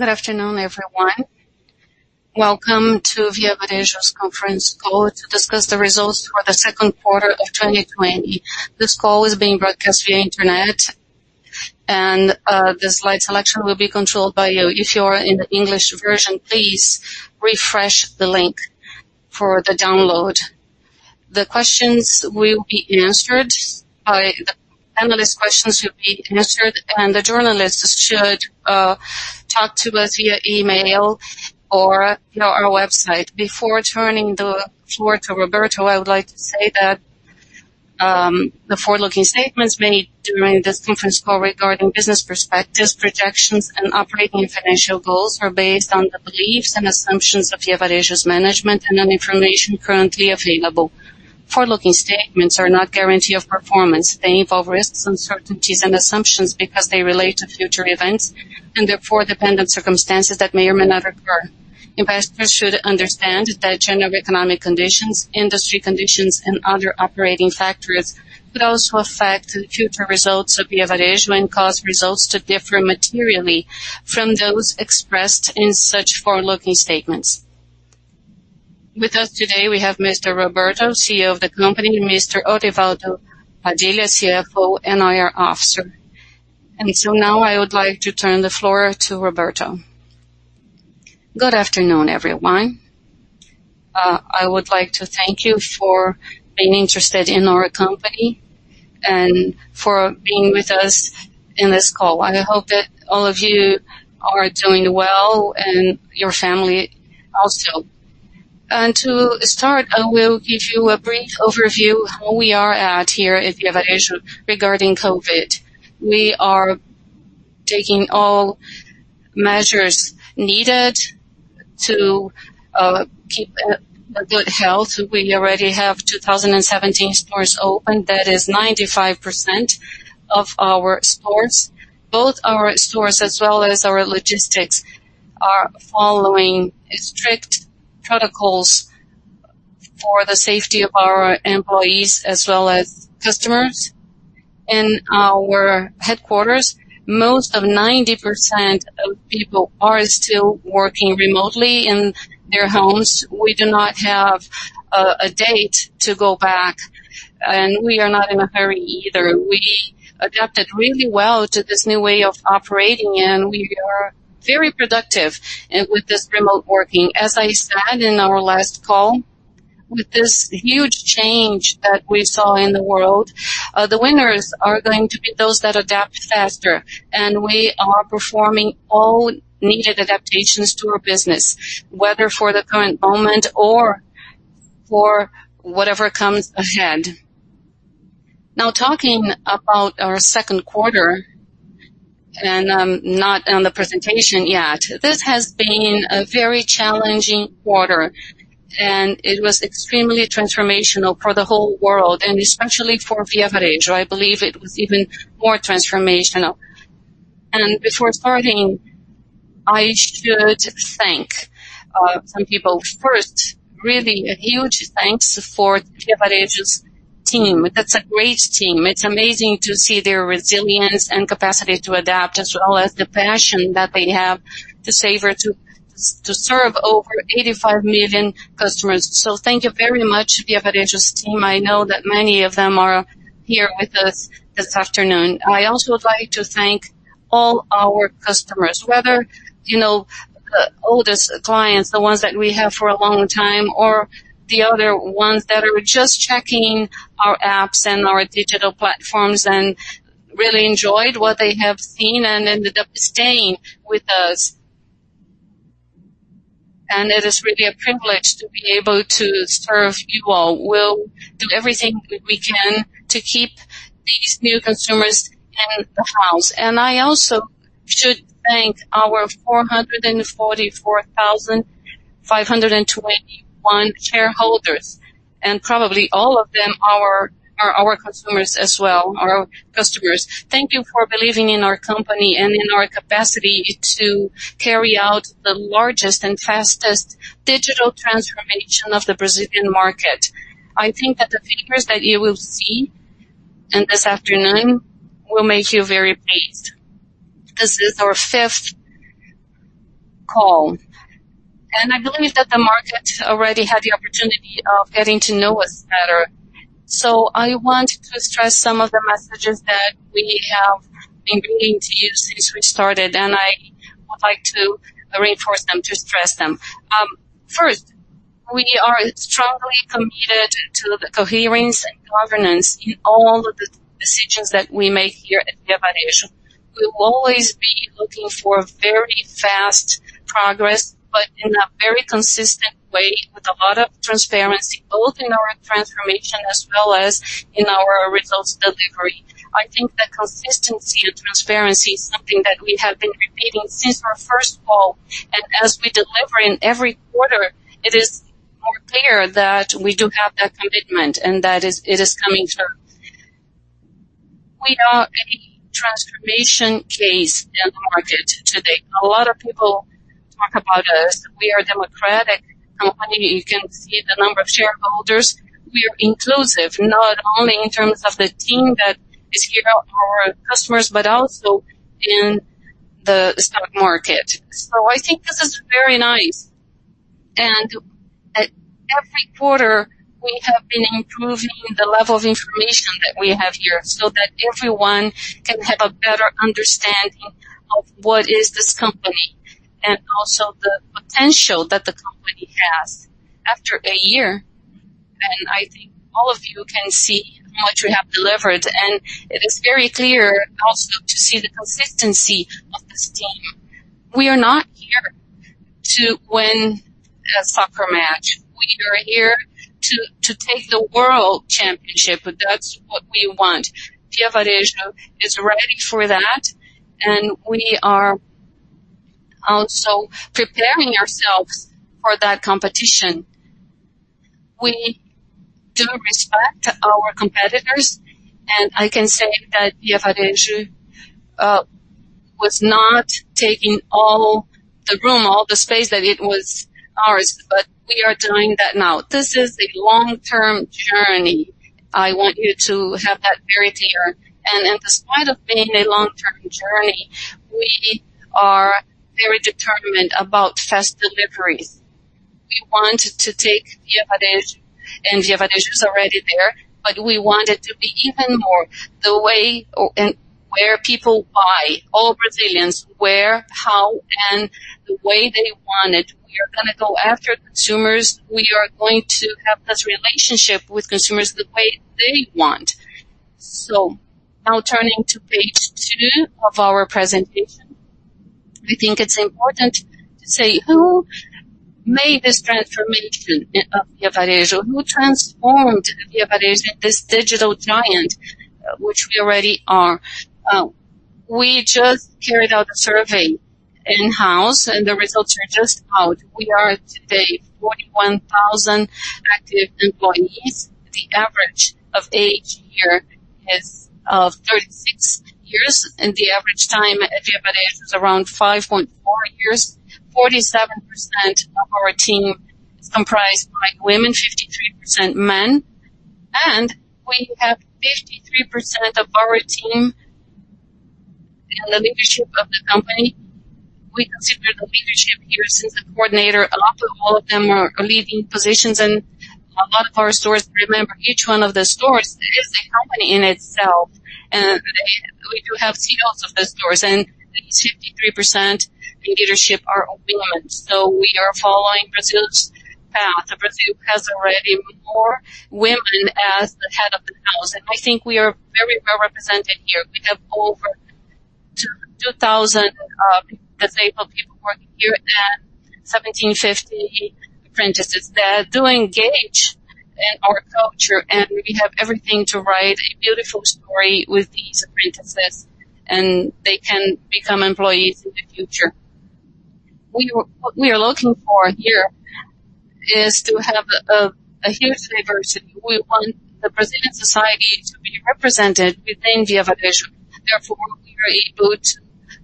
Good afternoon, everyone. Welcome to Via Varejo's conference call to discuss the results for the second quarter of 2020. This call is being broadcast via Internet, and the slide selection will be controlled by you. If you are in the English version, please refresh the link for the download. The analyst questions will be answered, and the journalists should talk to us via email or our website. Before turning the floor to Roberto, I would like to say that the forward-looking statements made during this conference call regarding business perspectives, projections, and operating and financial goals are based on the beliefs and assumptions of Via Varejo's management and on information currently available. Forward-looking statements are not guarantee of performance. They involve risks, uncertainties, and assumptions because they relate to future events and, therefore, dependent circumstances that may or may not occur. Investors should understand that general economic conditions, industry conditions, and other operating factors could also affect the future results of Via Varejo and cause results to differ materially from those expressed in such forward-looking statements. With us today, we have Mr. Roberto, CEO of the company, and Mr. Orivaldo Padilha, CFO and IR officer. Now I would like to turn the floor to Roberto. Good afternoon, everyone. I would like to thank you for being interested in our company and for being with us on this call. I hope that all of you are doing well and your family also. To start, I will give you a brief overview how we are at here at Via Varejo regarding COVID. We are taking all measures needed to keep a good health. We already have 2,017 stores open. That is 95% of our stores. Both our stores as well as our logistics are following strict protocols for the safety of our employees as well as customers. In our headquarters, most of 90% of people are still working remotely in their homes. We do not have a date to go back, and we are not in a hurry either. We adapted really well to this new way of operating, and we are very productive with this remote working. As I said in our last call, with this huge change that we saw in the world, the winners are going to be those that adapt faster, and we are performing all needed adaptations to our business, whether for the current moment or for whatever comes ahead. Now, talking about our second quarter, and I'm not on the presentation yet. This has been a very challenging quarter, and it was extremely transformational for the whole world, and especially for Via Varejo. I believe it was even more transformational. Before starting, I should thank some people. First, really a huge thanks for Via Varejo's team. That's a great team. It's amazing to see their resilience and capacity to adapt, as well as the passion that they have to serve over 85 million customers. Thank you very much, Via Varejo's team. I know that many of them are here with us this afternoon. I also would like to thank all our customers, whether oldest clients, the ones that we have for a long time, or the other ones that are just checking our apps and our digital platforms and really enjoyed what they have seen and ended up staying with us. It is really a privilege to be able to serve you all. We'll do everything we can to keep these new consumers in the house. I also should thank our 444,521 shareholders, and probably all of them are our customers as well. Thank you for believing in our company and in our capacity to carry out the largest and fastest digital transformation of the Brazilian market. I think that the figures that you will see this afternoon will make you very pleased. This is our fifth call, and I believe that the market already had the opportunity of getting to know us better. I want to stress some of the messages that we have been bringing to you since we started, and I would like to reinforce them, to stress them. First, we are strongly committed to the coherence and governance in all of the decisions that we make here at Via Varejo. We will always be looking for very fast progress, but in a very consistent way with a lot of transparency, both in our transformation as well as in our results delivery. I think that consistency and transparency is something that we have been repeating since our first call. As we deliver in every quarter, it is more clear that we do have that commitment, and that it is coming through. We are a transformation case in the market today. A lot of people talk about us. We are a democratic company. You can see the number of shareholders. We are inclusive, not only in terms of the team that is here, our customers, but also in the stock market. I think this is very nice. At every quarter, we have been improving the level of information that we have here so that everyone can have a better understanding of what is this company and also the potential that the company has. After a year, I think all of you can see how much we have delivered, it is very clear also to see the consistency of this team. We are not here to win a soccer match. We are here to take the world championship. That's what we want. Via Varejo is ready for that, we are also preparing ourselves for that competition. We do respect our competitors, I can say that Via Varejo was not taking all the room, all the space, that it was ours, we are doing that now. This is a long-term journey. I want you to have that very clear. In spite of being a long-term journey, we are very determined about fast deliveries. We want to take Via Varejo, and Via Varejo is already there, but we want it to be even more the way and where people buy, all Brazilians, where, how, and the way they want it. We are going to go after consumers. We are going to have this relationship with consumers the way they want. Now turning to page two of our presentation. I think it's important to say who made this transformation of Via Varejo, who transformed Via Varejo, this digital giant, which we already are. We just carried out a survey in-house, and the results are just out. We are today 41,000 active employees. The average of age here is 36 years, and the average time at Via Varejo is around 5.4 years. 47% of our team is comprised by women, 53% men, and we have 53% of our team in the leadership of the company. We consider the leadership here, since the coordinator, all of them are leading positions in a lot of our stores. Remember, each one of the stores is a company in itself, and we do have CEOs of the stores, and the 53% in leadership are women. We are following Brazil's path. Brazil has already more women as the head of the house, and I think we are very well represented here. We have over 2,000 disabled people working here and 1,750 apprentices that do engage in our culture, and we have everything to write a beautiful story with these apprentices, and they can become employees in the future. What we are looking for here is to have a huge diversity. We want the Brazilian society to be represented within Via Varejo. We are able to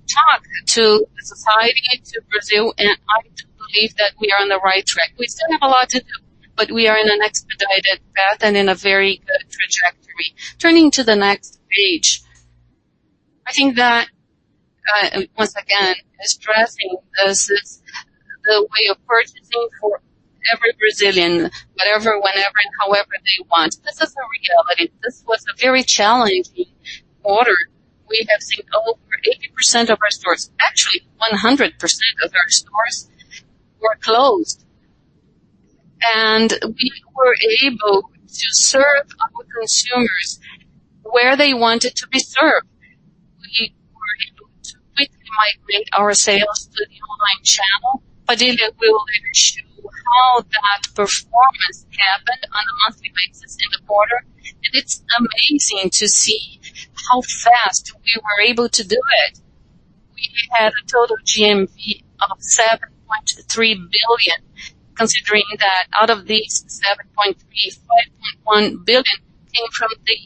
talk to the society, to Brazil, and I do believe that we are on the right track. We still have a lot to do, we are in an expedited path and in a very good trajectory. Turning to the next page. I think that, once again, stressing this is the way of purchasing for every Brazilian, whatever, whenever, and however they want. This is a reality. This was a very challenging quarter. We have seen over 80% of our stores, actually 100% of our stores were closed. We were able to serve our consumers where they wanted to be served. We were able to quickly migrate our sales to the online channel. Padilha will later show how that performance happened on a monthly basis in the quarter. It's amazing to see how fast we were able to do it. We had a total GMV of 7.3 billion, considering that out of these 7.3 billion, 5.1 billion came from the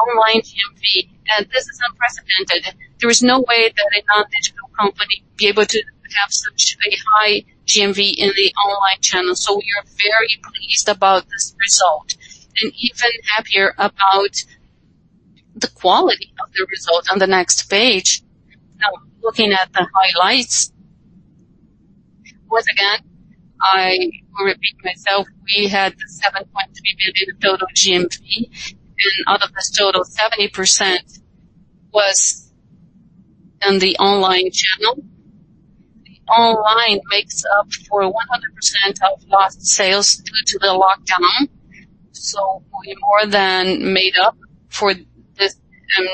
online GMV, and this is unprecedented. There is no way that a non-digital company be able to have such a high GMV in the online channel. We are very pleased about this result, and even happier about the quality of the result. On the next page, now looking at the highlights. Once again, I will repeat myself. We had the BRL 7.3 billion total GMV, and out of this total, 70% was in the online channel. The online makes up for 100% of lost sales due to the lockdown. We more than made up for this in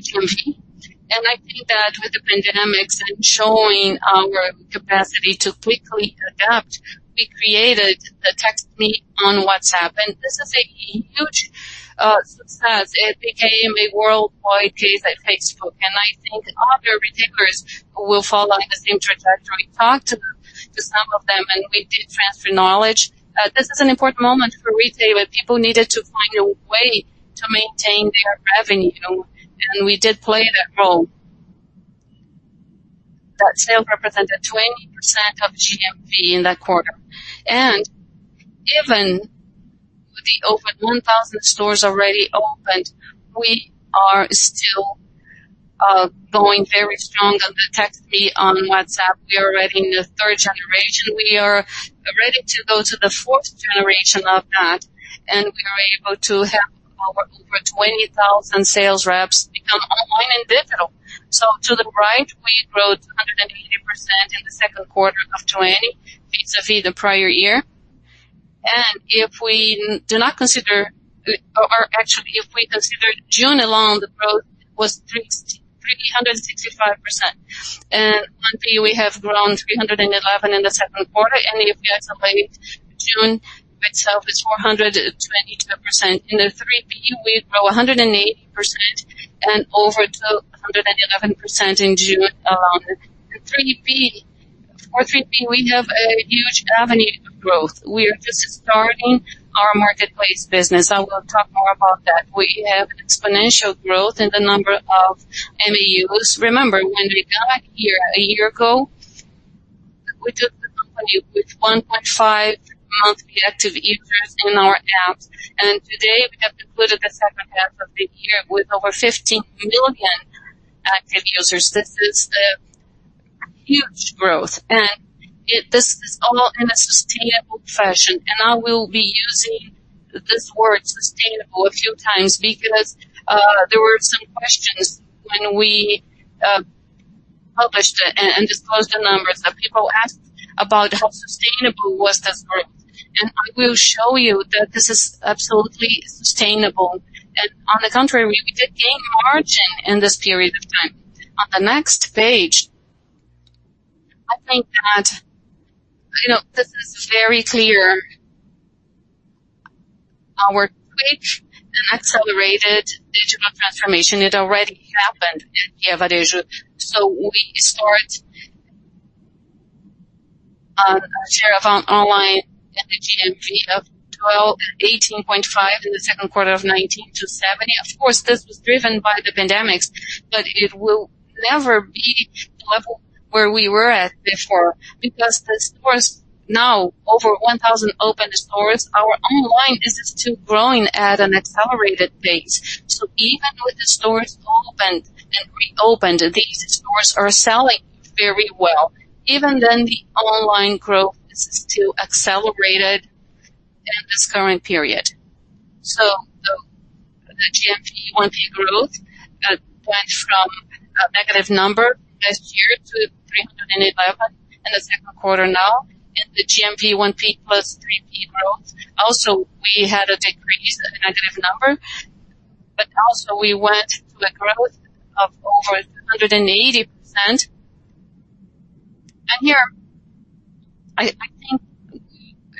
GMV. I think that with the pandemic and showing our capacity to quickly adapt, we created the Text Me on WhatsApp, and this is a huge success. It became a worldwide case at Facebook, I think other retailers will follow in the same trajectory. We talked to some of them, we did transfer knowledge. This is an important moment for retail where people needed to find a way to maintain their revenue. We did play that role. That sale represented 20% of GMV in that quarter. Even with the over 1,000 stores already opened, we are still going very strong on the Text Me on WhatsApp. We are already in the 3rd generation. We are ready to go to the 4th generation of that, we are able to have over 20,000 sales reps become online and digital. To the right, we grew 180% in the second quarter of 2020 vis-a-vis the prior year. If we consider June alone, the growth was 365%. 1P, we have grown 311% in the second quarter. If we isolate June itself, it's 422%. In the 3P, we grew 180%, and over to 111% in June alone. For 3P, we have a huge avenue of growth. We are just starting our marketplace business. I will talk more about that. We have exponential growth in the number of MAUs. Remember, when we got here a year ago, we took the company with 1.5 million monthly active users in our apps, and today we have concluded the second half of the year with over 15 million active users. This is a huge growth. This is all in a sustainable fashion. I will be using this word, sustainable, a few times because there were some questions when we published it and disclosed the numbers that people asked about how sustainable was this growth. I will show you that this is absolutely sustainable. On the contrary, we did gain margin in this period of time. On the next page, I think that this is very clear. Our quick and accelerated digital transformation, it already happened in Via Varejo. We start our share of online in the GMV of 18.5 in the second quarter of 2019 to seven. Of course, this was driven by the pandemic, but it will never be level where we were at before because the stores, now over 1,000 open stores, our online is still growing at an accelerated pace. Even with the stores opened and reopened, these stores are selling very well. Even then, the online growth is still accelerated in this current period. The GMV 1P growth went from a negative number last year to 311% in the second quarter now. In the GMV 1P plus 3P growth, also, we had a decrease, a negative number, but also we went to a growth of over 180%. Here, I think we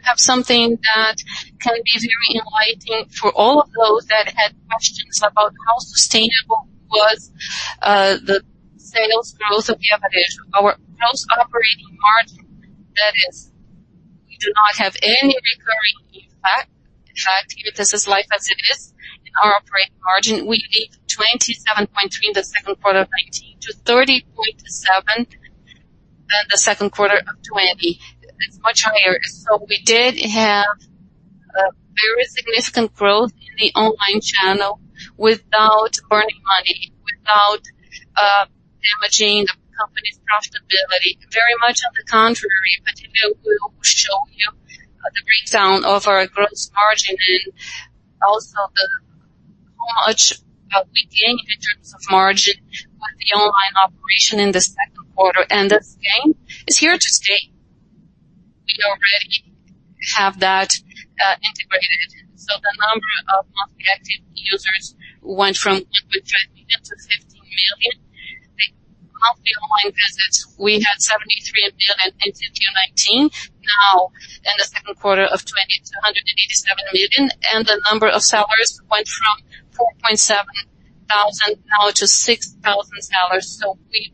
have something that can be very enlightening for all of those that had questions about how sustainable was the sales growth of Via Varejo. Our gross operating margin, that is, we do not have any recurring impact. In fact, this is life as it is. In our operating margin, we did 27.3% in the second quarter of 2019 to 30.7% in the second quarter of 2020. It's much higher. We did have a very significant growth in the online channel without burning money, without damaging the company's profitability. Very much on the contrary, Padilha will show you the breakdown of our gross margin and also how much we gained in terms of margin with the online operation in the second quarter. This gain is here to stay. We already have that integrated. The number of monthly active users went from 1.5 million-15 million. The monthly online visits, we had 73 million in 2019. Now in the second quarter of 2020, it's 187 million, and the number of sellers went from 4,700 now to 6,000 sellers. We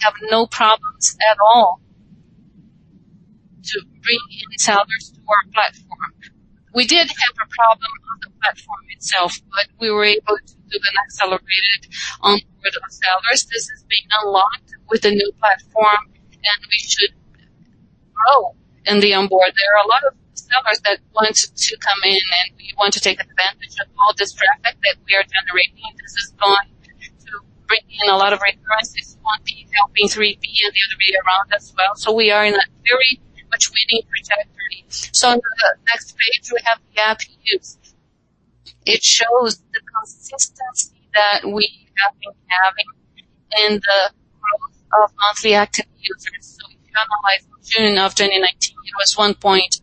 have no problems at all to bring in sellers to our platform. We did have a problem on the platform itself, but we were able to do an accelerated onboard of sellers. This is being unlocked with a new platform, and we should grow in the onboard. There are a lot of sellers that want to come in, and we want to take advantage of all this traffic that we are generating. This is going to bring in a lot of recurrences on the 3P and the other way around as well. We are in a very much winning trajectory. On the next page, we have the MAUs. It shows the consistency that we have been having in the growth of monthly active users. If you analyze from June of 2019, it was 1.5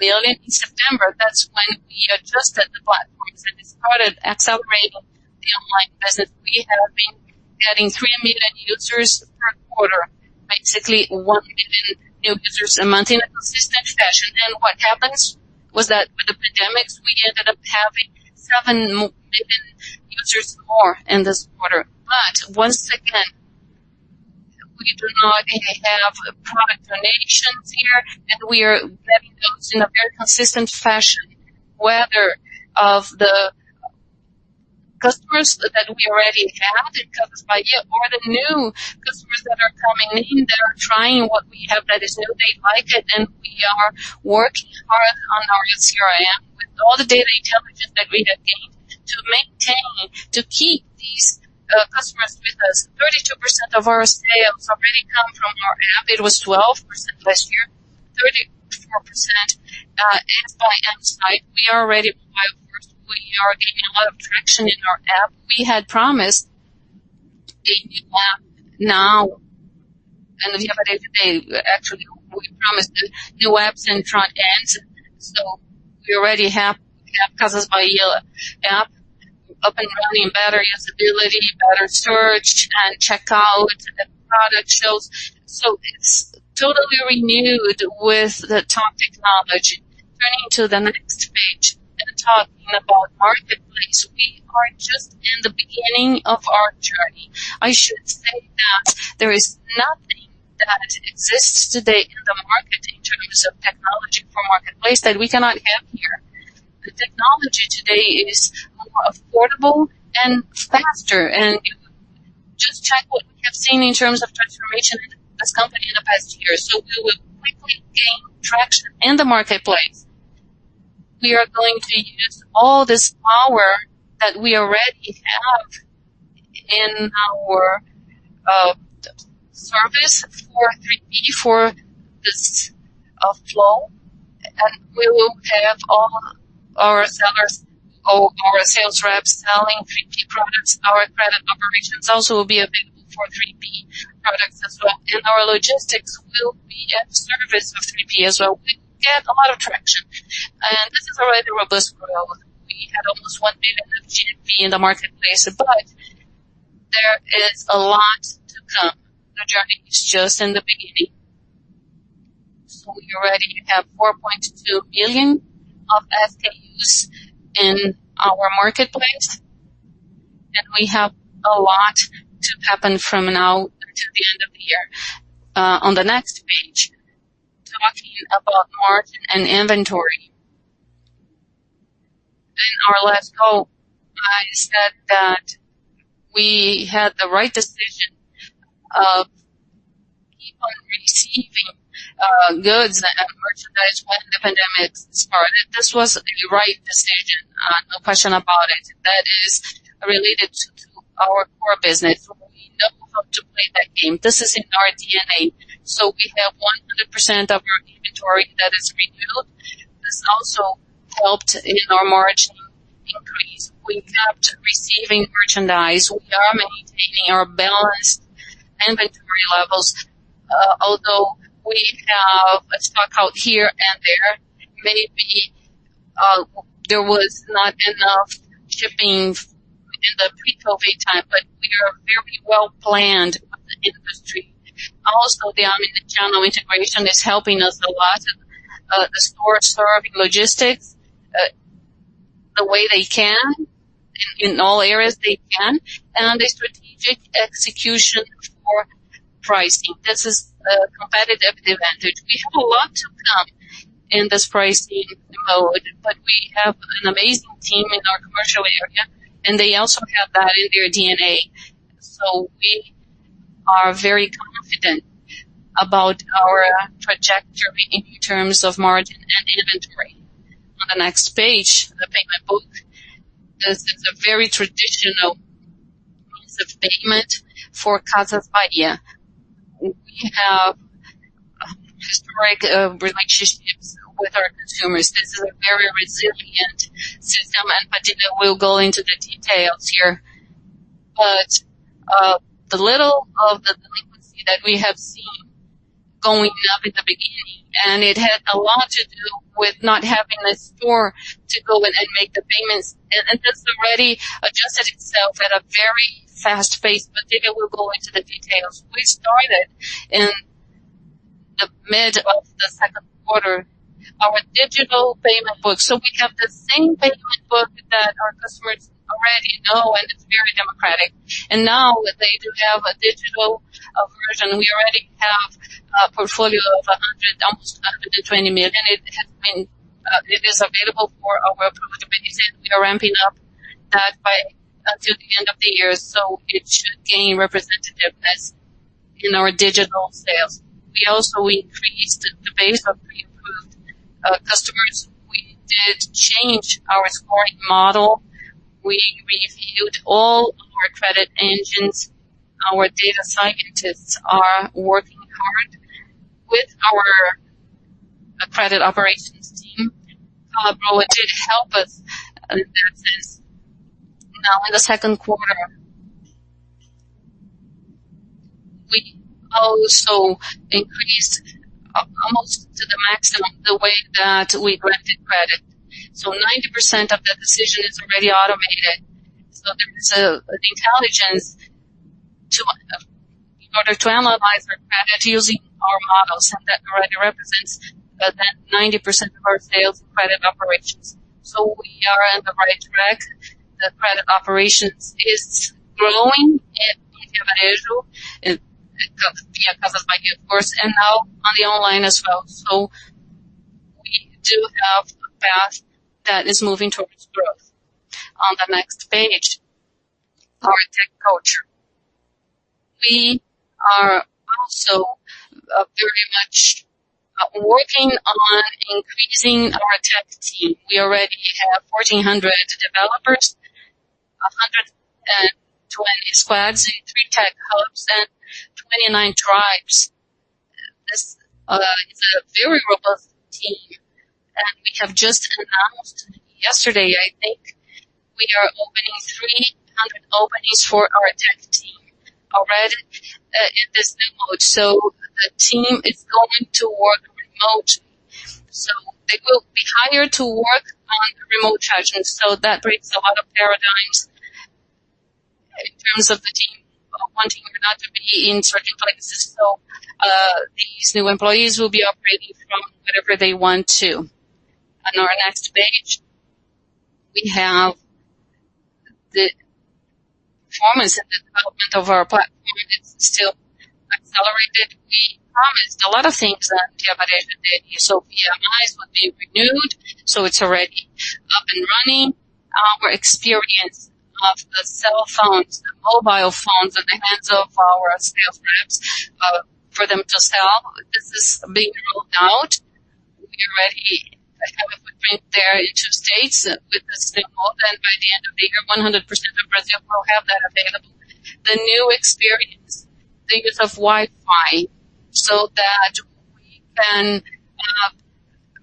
million. In September, that's when we adjusted the platforms, and it started accelerating the online business. We have been adding 3 million users per quarter, basically 1 million new users a month in a consistent fashion. What happens was that with the pandemic, we ended up having 7 million users more in this quarter. Once again. We do now have product donations here, and we are getting those in a very consistent fashion. Whether of the customers that we already have in Casas Bahia or the new customers that are coming in, that are trying what we have that is new, they like it, and we are working hard on our CRM with all the data intelligence that we have gained to maintain, to keep these customers with us. 32% of our sales already come from our app. It was 12% last year, 34%. By m-site, we are gaining a lot of traction in our app. We had promised a new app now, the other day today, actually, we promised the new apps and front ends. We already have the Casas Bahia app up and running. Better usability, better search, and checkout and product shows. It's totally renewed with the top technology. Turning to the next page, talking about marketplace. We are just in the beginning of our journey. I should say that there is nothing that exists today in the market in terms of technology for marketplace that we cannot have here. The technology today is more affordable and faster, and just check what we have seen in terms of transformation in this company in the past year. We will quickly gain traction in the marketplace. We are going to use all this power that we already have in our service for 3P for this flow. We will have all our sellers or our sales reps selling 3P products. Our credit operations also will be available for 3P products as well, and our logistics will be at service for 3P as well. We gain a lot of traction. This is already robust growth. We had almost 1 billion of GMV in the marketplace. There is a lot to come. The journey is just in the beginning. We already have 4.2 billion SKUs in our marketplace. We have a lot to happen from now to the end of the year. On the next page, talking about margin and inventory. In our last call, I said that we had the right decision of people receiving goods and merchandise when the pandemic started. This was the right decision. No question about it. That is related to our core business. We know how to play that game. This is in our DNA. We have 100% of our inventory that is renewed. This also helped in our margin increase. We kept receiving merchandise. We are maintaining our balanced inventory levels, although we have a stock out here and there. Maybe there was not enough shipping in the pre-COVID time, but we are fairly well-planned of the industry. Also, the omni-channel integration is helping us a lot. The stores are logistics the way they can, in all areas they can, and a strategic execution for pricing. This is a competitive advantage. We have a lot to come in this pricing mode, but we have an amazing team in our commercial area, and they also have that in their DNA. We are very confident about our trajectory in terms of margin and inventory. On the next page, the payment book. This is a very traditional means of payment for Casas Bahia. We have historic relationships with our consumers. This is a very resilient system, and Padilha will go into the details here. The little of the delinquency that we have seen going up in the beginning, it had a lot to do with not having a store to go in and make the payments. This already adjusted itself at a very fast pace, but Padilha will go into the details. We started in the mid of the second quarter our digital payment book. We have the same payment book that our customers already know, and it's very democratic. Now they do have a digital version. We already have a portfolio of almost 120 million. It is available for our approved customers. We are ramping up that until the end of the year, so it should gain representativeness in our digital sales. We also increased the base of pre-approved customers. We did change our scoring model. We reviewed all our credit engines. Our data scientists are working hard with our credit operations team. It did help us in that sense. Now, in the second quarter, we also increased almost to the maximum the way that we granted credit. 90% of the decision is already automated. There is an intelligence in order to analyze the credit using our models, and that already represents that 90% of our sales credit operations. We are on the right track. The credit operations is growing in Via Varejo, Casas Bahia, of course, and now on the online as well. We do have a path that is moving towards growth. On the next page, our tech culture. We are also very much working on increasing our tech team. We already have 1,400 developers, 120 squads in three tech hubs and 29 tribes. This is a very robust team, and we have just announced yesterday, I think, we are opening 300 openings for our tech team already in this new mode. The team is going to work remotely. They will be hired to work on remote charges. That breaks a lot of paradigms in terms of the team wanting or not to be in certain places. These new employees will be operating from wherever they want to. On our next page, we have the performance and the development of our platform. It's still accelerated. We promised a lot of things in Via Varejo that used to be on ice but being renewed. It's already up and running. Our experience of the cell phones and mobile phones in the hands of our sales reps for them to sell, this is being rolled out. We already have it within two states with this new model, and by the end of the year, 100% of Brazil will have that available. The new experience, the use of Wi-Fi so that we can have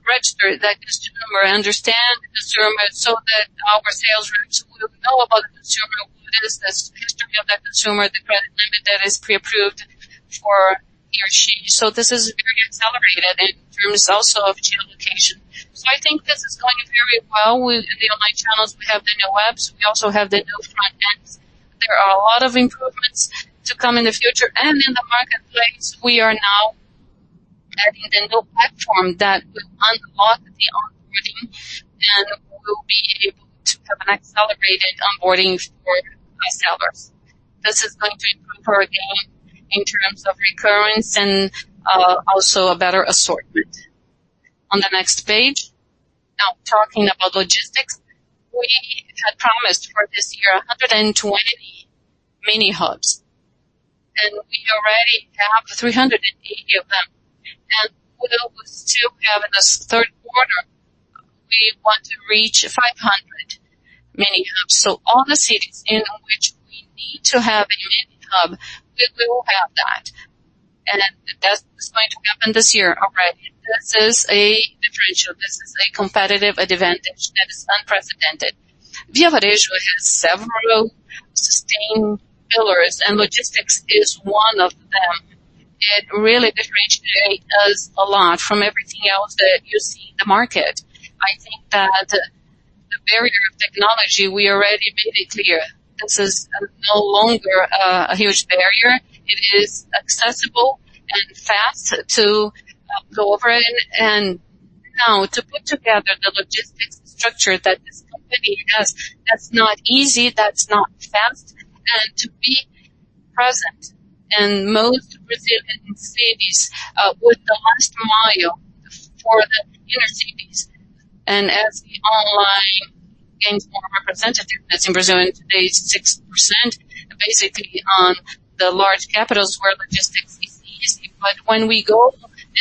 register that consumer, understand the consumer so that our sales reps will know about the consumer, who it is, the history of that consumer, the credit limit that is pre-approved for he or she. This is very accelerated in terms also of geolocation. I think this is going very well with the online channels. We have the new apps, we also have the new front end. There are a lot of improvements to come in the future. In the marketplace, we are now adding the new platform that will unlock the onboarding, and we'll be able to have an accelerated onboarding for resellers. This is going to improve our game in terms of recurrence and also a better assortment. On the next page. Now talking about logistics, we had promised for this year 120 mini hubs, and we already have 380 of them. With what we still have in this third quarter, we want to reach 500 mini hubs. All the cities in which we need to have a mini hub, we will have that. That is going to happen this year. Already, this is a differential. This is a competitive advantage that is unprecedented. Via Varejo has several sustained pillars, and logistics is one of them. It really differentiates us a lot from everything else that you see in the market. I think that the barrier of technology, we already made it clear, this is no longer a huge barrier. It is accessible and fast to go over it. Now to put together the logistics structure that this company has, that's not easy, that's not fast. To be present in most Brazilian cities with the last mile for the inner cities and as the online gains more representativeness in Brazil today, 6%, basically on the large capitals where logistics is easy. When we go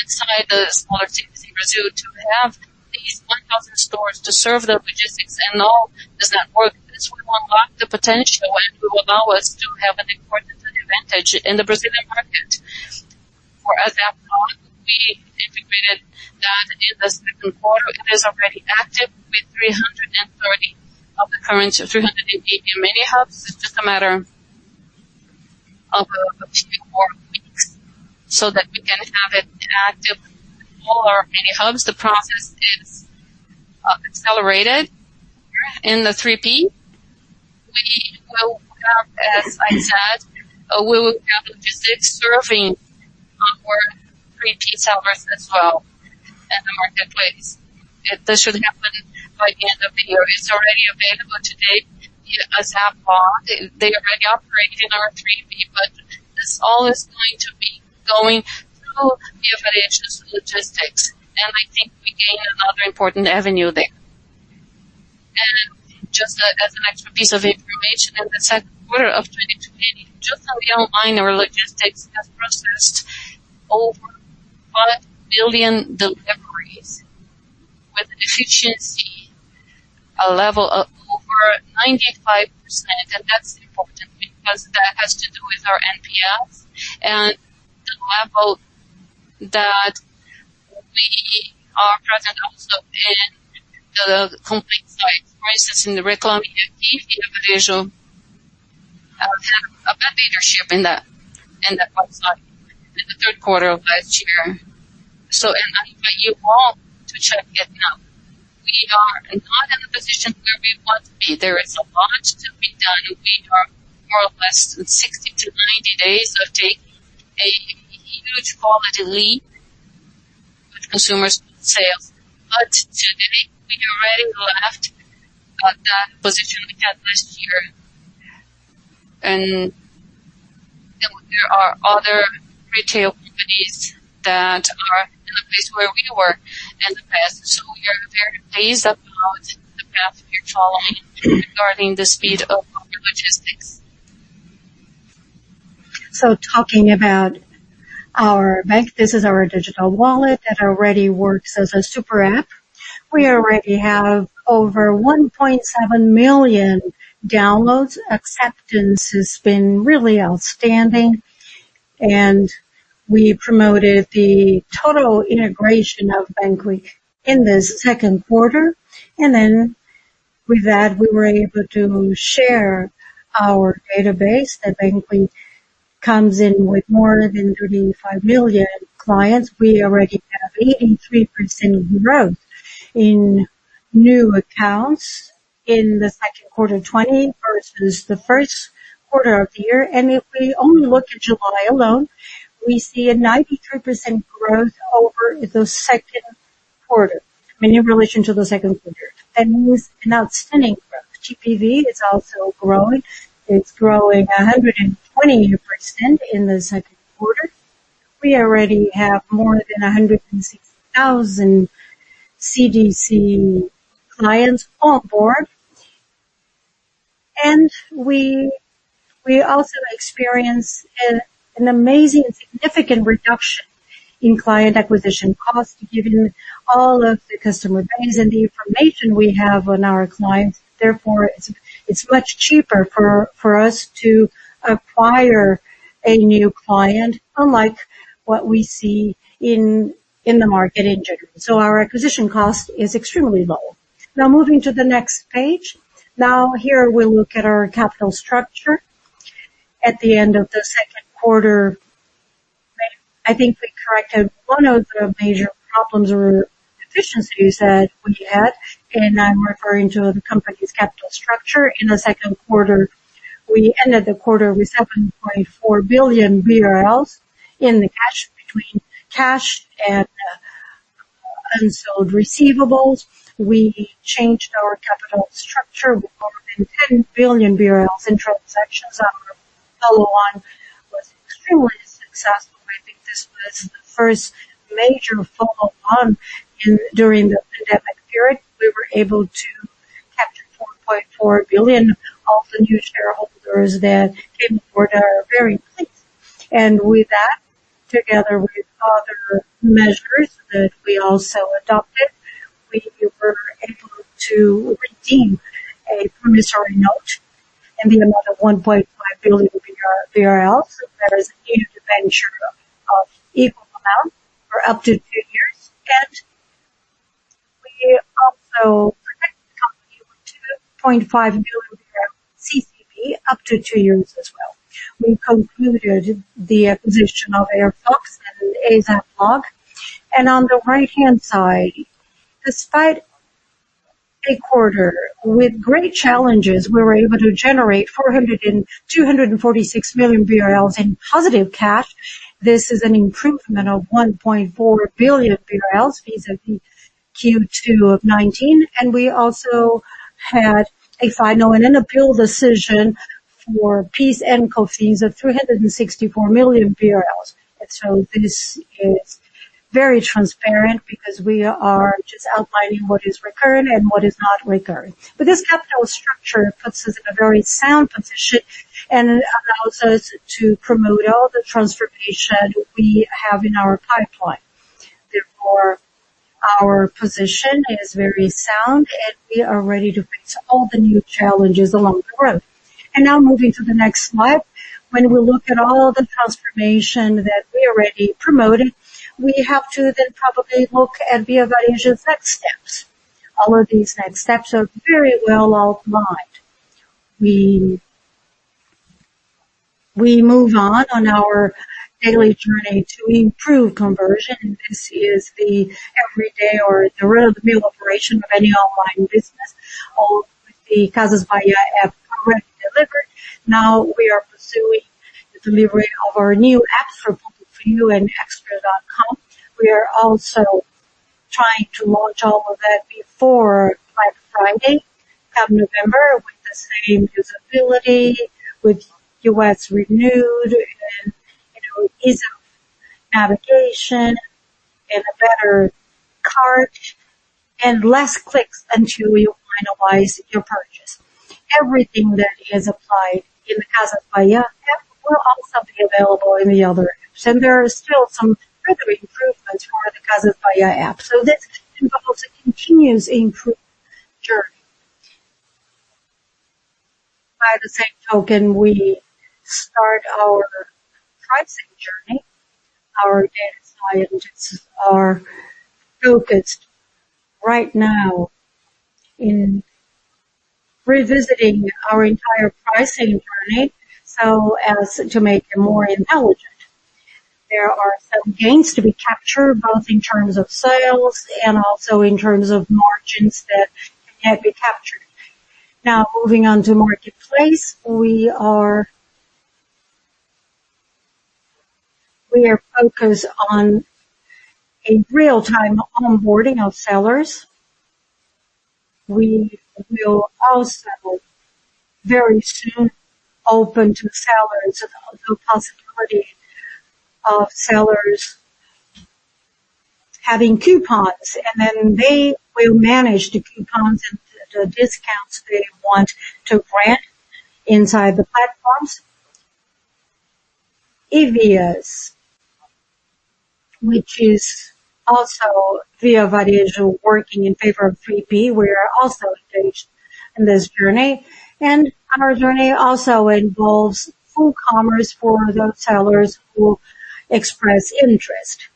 inside the smaller cities in Brazil to have these 1,000 stores to serve the logistics and all this network, this will unlock the potential and will allow us to have an important advantage in the Brazilian market. For ASAP Log, we integrated that in the second quarter. It is already active with 330 of the current 380 mini hubs. It's just a matter of a few more weeks so that we can have it active in all our mini hubs. The process is accelerated. In the 3P, we will have, as I said, we will have logistics serving our 3P sellers as well in the marketplace. That should happen by the end of the year. It is already available today. ASAP Log, they already operate in our 3P, but this all is going to be going through Via Varejo's logistics. I think we gain another important avenue there. Just as an extra piece of information, in the second quarter of 2020, just on the online, our logistics have processed over 5 billion deliveries with an efficiency level of over 95%. That is important because that has to do with our NPS and the level that we are present also in the complaint site, for instance, in the Reclame Aqui, Via Varejo have had a bad leadership in that website in the third quarter of last year. I invite you all to check it now. We are not in the position where we want to be. There is a lot to be done, and we are more or less in 60-90 days of taking a huge quality leap. Consumers sales. Suddenly, we already go after that position we had last year. There are other retail companies that are in a place where we were in the past. We are very pleased about the path we are following regarding the speed of our logistics. Talking about our bank, this is our digital wallet that already works as a super app. We already have over 1.7 million downloads. Acceptance has been really outstanding, and we promoted the total integration of banQi in the second quarter. With that, we were able to share our database. That banQi comes in with more than 35 million clients. We already have 83% growth in new accounts in the second quarter 2020 versus the first quarter of the year. If we only look at July alone, we see a 93% growth over the second quarter. I mean, in relation to the second quarter. That is an outstanding growth. GPV is also growing. It's growing 120% in the second quarter. We already have more than 160,000 CDC clients on board. We also experience an amazing and significant reduction in client acquisition cost, given all of the customer base and the information we have on our clients. It's much cheaper for us to acquire a new client, unlike what we see in the market in general. Our acquisition cost is extremely low. Moving to the next page. Here we look at our capital structure at the end of the second quarter. I think we corrected one of the major problems or deficiencies that we had, and I'm referring to the company's capital structure. In the second quarter, we ended the quarter with 7.4 billion BRL in the cash, between cash and unsold receivables. We changed our capital structure with more than 10 billion BRL in transactions. Our follow-on was extremely successful. I think this was the first major follow-on during the pandemic period. We were able to capture 4.4 billion of the new shareholders that came on board our Via Varejo. With that, together with other measures that we also adopted, we were able to redeem a promissory note in the amount of 1.5 billion. There is a new debenture of equal amount for up to two years. We also protected the company with 2.5 billion CCB up to two years as well. We concluded the acquisition of Airfox and ASAP Log. On the right-hand side, despite a quarter with great challenges, we were able to generate 246 million BRL in positive cash. This is an improvement of 1.4 billion BRL vis-a-vis Q2 of 2019. We also had a final and an appeal decision for PIS and COFINS of BRL 364 million. This is very transparent because we are just outlining what is recurring and what is not recurring. This capital structure puts us in a very sound position, and allows us to promote all the transformation we have in our pipeline. Therefore, our position is very sound, and we are ready to face all the new challenges along the road. Now moving to the next slide. When we look at all the transformation that we already promoted, we have to then probably look at Via Varejo's next steps. All of these next steps are very well outlined. We move on our daily journey to improve conversion. This is the everyday or the real operation of any online business of the Casas Bahia app already delivered. Now we are pursuing the delivery of our new apps for you and extra.com. We are also trying to launch all of that before Black Friday of November with the same usability, with UX renewed and ease of navigation and a better cart and less clicks until you finalize your purchase. Everything that is applied in the Casas Bahia app will also be available in the other apps. There are still some further improvements for the Casas Bahia app. This involves a continuous improvement journey. By the same token, we start our pricing journey. Our data scientists are focused right now in revisiting our entire pricing journey so as to make it more intelligent. There are some gains to be captured, both in terms of sales and also in terms of margins that can be captured. Moving on to marketplace. We are focused on a real-time onboarding of sellers. We will also very soon open to sellers the possibility of sellers having coupons, and then they will manage the coupons and the discounts they want to grant inside the platforms. Envvias, which is also Via Varejo working in favor of 3P. We are also engaged in this journey, and our journey also involves full commerce for the sellers who express interest.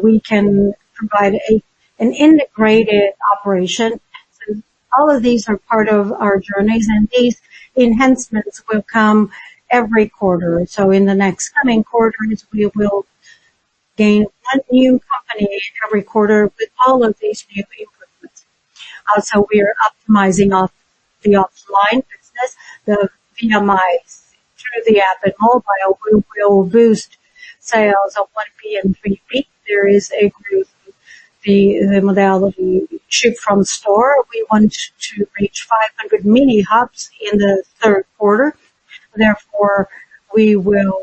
We can provide an integrated operation. All of these are part of our journeys, and these enhancements will come every quarter. In the next coming quarters, we will gain one new company every quarter with all of these new improvements. Also, we are optimizing the offline business, the FMI through the app and mobile. We will boost sales of 1P and 3P. There is a group, the modality ship from store. We want to reach 500 mini hubs in the third quarter. Therefore, we will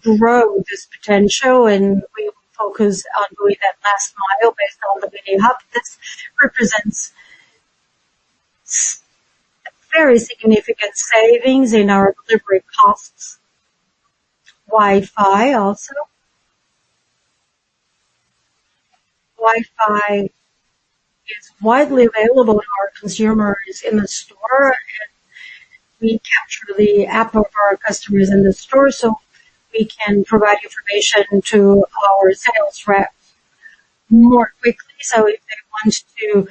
grow this potential, and we will focus on doing that last mile based on the mini hub. This represents very significant savings in our delivery costs. Wi-Fi also. Wi-Fi is widely available when our consumer is in the store, we capture the app of our customers in the store, so we can provide information to our sales rep more quickly. If they want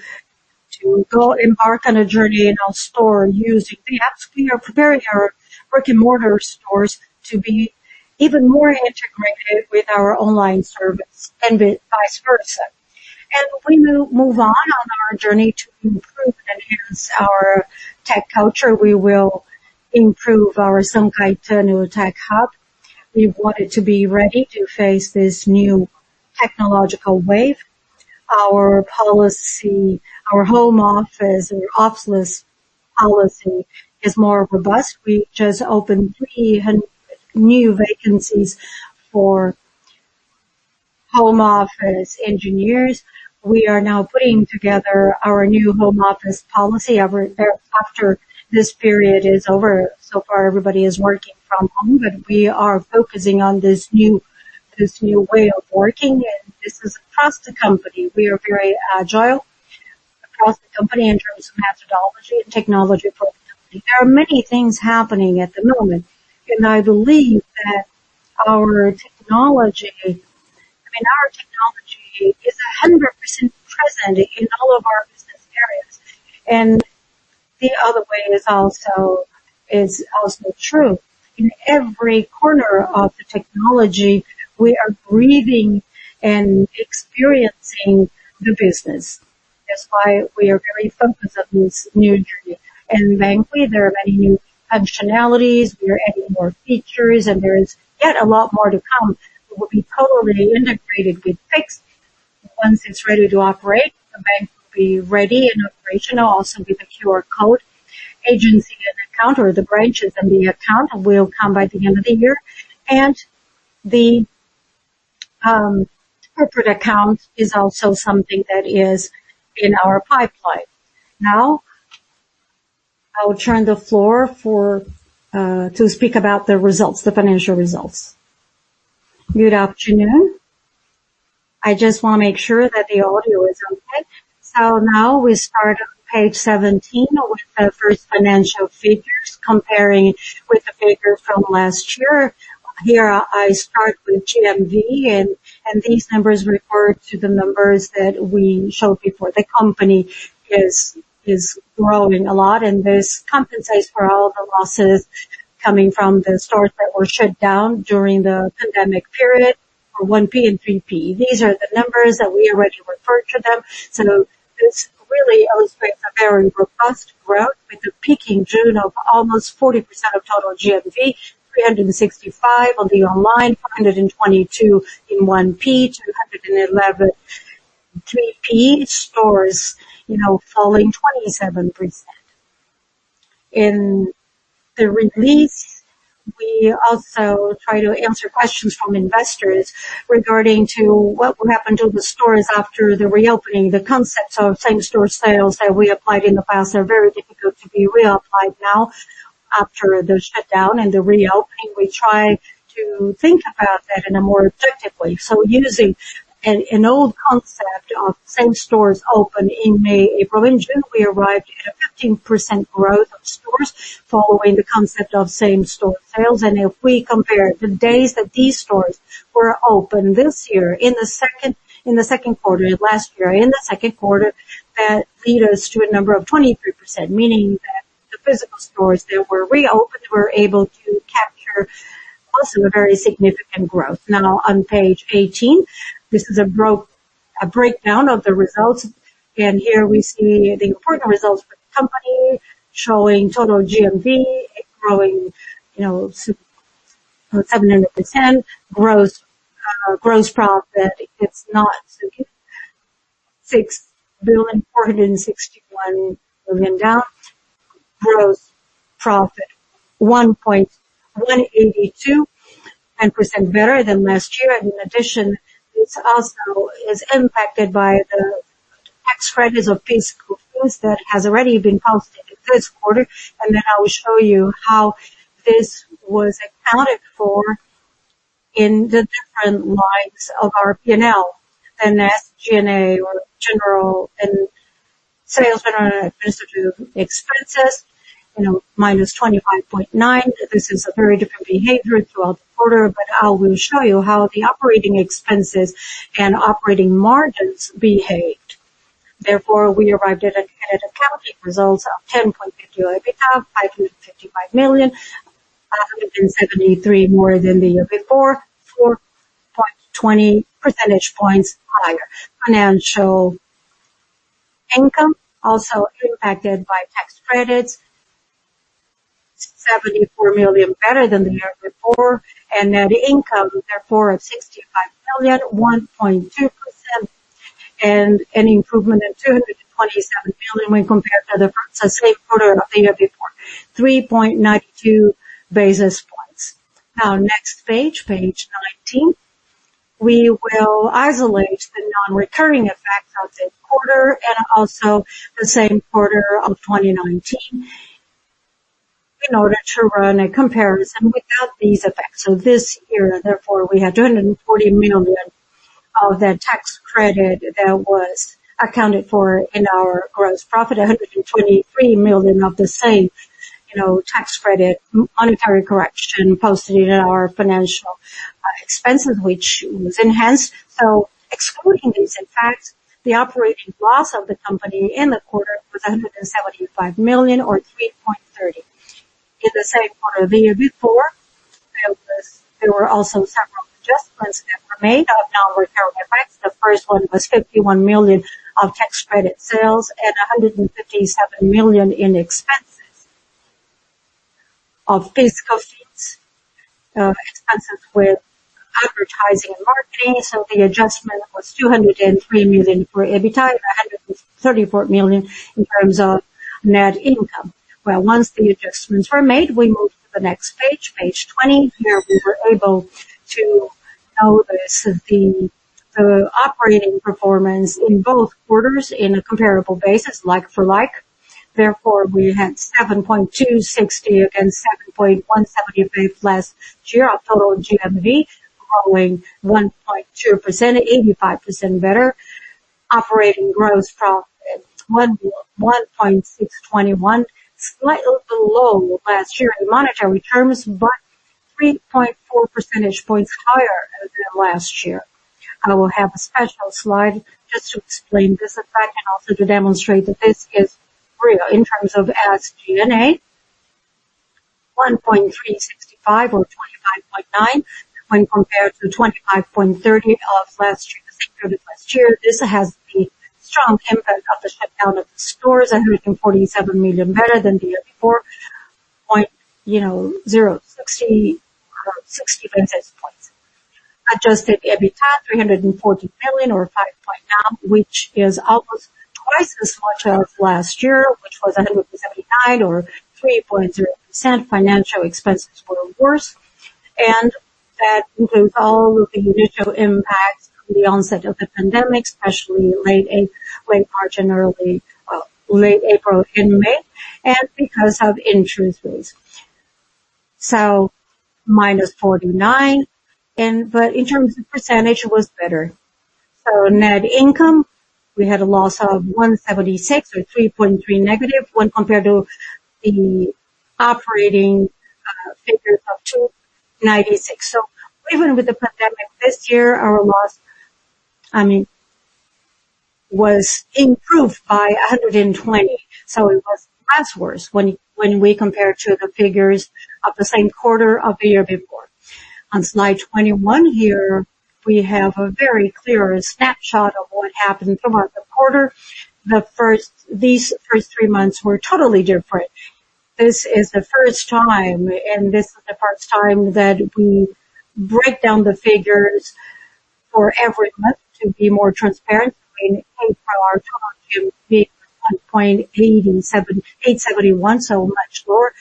to go embark on a journey in a store using the apps, we are preparing our brick-and-mortar stores to be even more integrated with our online service and vice versa. We move on our journey to improve, enhance our tech culture. We will improve our São Caetano tech hub. We want it to be ready to face this new technological wave. Our policy, our home office and our officeless policy is more robust. We just opened 300 new vacancies for home office engineers. We are now putting together our new home office policy after this period is over. Everybody is working from home. We are focusing on this new way of working, and this is across the company. We are very agile across the company in terms of methodology and technology for the company. There are many things happening at the moment. I believe that our technology is 100% present in all of our business areas. The other way is also true. In every corner of the technology, we are breathing and experiencing the business. That's why we are very focused on this new journey. In banQi, there are many new functionalities. We are adding more features. There is yet a lot more to come. We will be totally integrated with Pix once it's ready to operate. The bank will be ready and operational. Also with the QR code agency and account or the branches and the account will come by the end of the year. The corporate account is also something that is in our pipeline. Now I will turn the floor to speak about the results, the financial results. Good afternoon. I just want to make sure that the audio is okay. Now we start on page 17 with the first financial figures, comparing with the figures from last year. Here I start with GMV, and these numbers refer to the numbers that we showed before. The company is growing a lot, and this compensates for all the losses coming from the stores that were shut down during the pandemic period for 1P and 3P. These are the numbers that we already referred to them. This really illustrates a very robust growth with the peak in June of almost 40% of total GMV, 365 on the online, 522 in 1P, 211 3P. Stores falling 27%. In the release, we also try to answer questions from investors regarding to what will happen to the stores after the reopening. The concept of same-store sales that we applied in the past are very difficult to be reapplied now after the shutdown and the reopening. We try to think about that in a more effective way. Using an old concept of same stores open in May, April, and June, we arrived at a 15% growth of stores following the concept of same-store sales. If we compare the days that these stores were open this year in the second quarter of last year and the second quarter, that lead us to a number of 23%, meaning that the physical stores that were reopened were able to capture also a very significant growth. On page 18, this is a growth breakdown of the results. Here we see the important results for the company showing total GMV growing 710%, gross profit, it's not 6,461 million down. Gross profit, 1.182%, better than last year. In addition, this also is impacted by the tax credits of physical goods that has already been posted in the first quarter. I will show you how this was accounted for in the different lines of our P&L and SG&A, or general and sales and administrative expenses, minus 25.9%. This is a very different behavior throughout the quarter, but I will show you how the operating expenses and operating margins behaved. We arrived at an accounting results of 10.52 EBITDA, 555 million, 573 more than the year before, 4.20 percentage points higher. Financial income also impacted by tax credits, 74 million better than the year before. Net income, therefore, of 65 million, 1.2%, an improvement of 227 million when compared to the same quarter of the year before, 3.92 basis points. Next page 19. We will isolate the non-recurring effects of the quarter and also the same quarter of 2019 in order to run a comparison without these effects. This year, therefore, we had 240 million of that tax credit that was accounted for in our gross profit, 123 million of the same tax credit monetary correction posted in our financial expenses, which was enhanced. Excluding these impacts, the operating loss of the company in the quarter was 175 million or 3.30. In the same quarter the year before, there were also several adjustments that were made of non-recurring effects. The first one was 51 million of tax credit sales and 157 million in expenses of fiscal fees, expenses with advertising and marketing. The adjustment was 203 million for EBITDA, 134 million in terms of net income. Once the adjustments were made, we move to the next page 20. Here we were able to notice the operating performance in both quarters in a comparable basis, like for like. Therefore, we had 7,260 against 7,173 last year of total GMV, growing 1.2%, 85% better. Operating gross profit, 1,621, slightly below last year in monetary terms, but 3.4 percentage points higher than last year. I will have a special slide just to explain this effect and also to demonstrate that this is real in terms of SG&A, 1,365 or 29.9% when compared to 25.30% of last year, the same quarter last year. This has the strong impact of the shutdown of the stores, 147 million better than the year before, 0.60 percentage points. Adjusted EBITDA, 340 million or 5.9%, which is almost twice as much of last year, which was 179 or 3.0%. Financial expenses were worse, and that includes all of the initial impacts from the onset of the pandemic, especially late April and May, and because of interest rates. Minus 49%, but in terms of percentage, it was better. Net income, we had a loss of 176 or -3.3% when compared to the operating figures of 296. Even with the pandemic this year, our loss was improved by 120. It was much worse when we compare to the figures of the same quarter of the year before. On slide 21 here, we have a very clear snapshot of what happened throughout the quarter. These first three months were totally different. This is the first time that we break down the figures for every month to be more transparent. In April, our GMV was 1.871, much lower.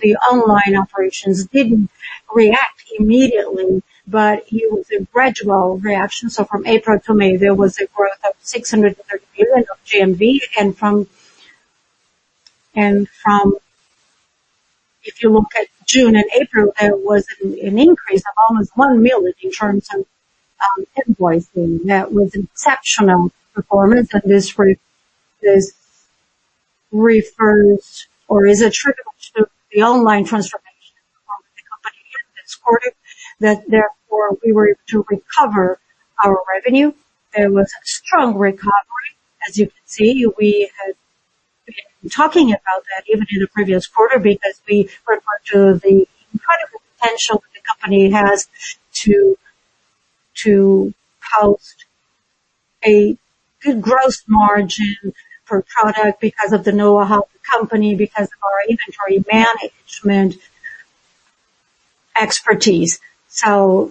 The online operations didn't react immediately, but it was a gradual reaction. From April to May, there was a growth of 630 million of GMV. If you look at June and April, there was an increase of almost 1 million in terms of invoicing. That was exceptional performance, and this refers or is attributable to the online transformation of the company in this quarter. Therefore we were able to recover our revenue. It was a strong recovery. As you can see, I'm talking about that even in the previous quarter, because we referred much of the incredible potential that the company has to post a good gross margin for product because of the know-how of the company, because of our inventory management expertise. 30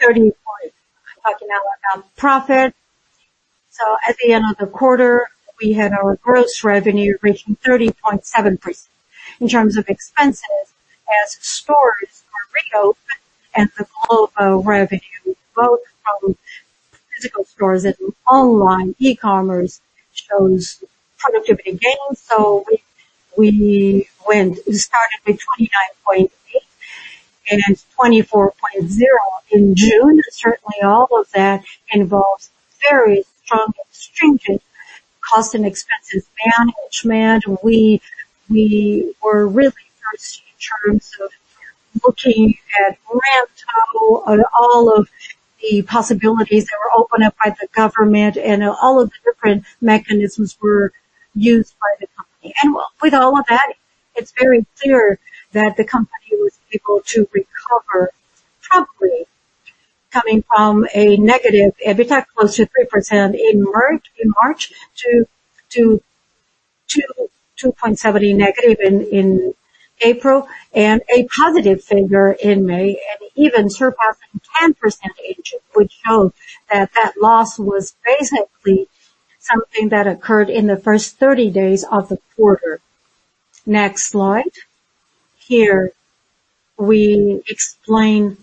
points. I'm talking now about profit. At the end of the quarter, we had our gross revenue reaching 30.7%. In terms of expenses, as stores were reopened and with all of our revenue, both from physical stores and online e-commerce, shows productivity gains. We started with 29.8 and 24.0 in June. Certainly, all of that involves very strong and stringent cost and expenses management. We were really thirsty in terms of looking at rent, at all of the possibilities that were opened up by the government, and all of the different mechanisms were used by the company. With all of that, it's very clear that the company was able to recover promptly, coming from a negative EBITDA close to 3% in March to 2.70 negative in April, and a positive figure in May, and even surpassing 10% in June, which showed that that loss was basically something that occurred in the first 30 days of the quarter. Next slide. Here, we explain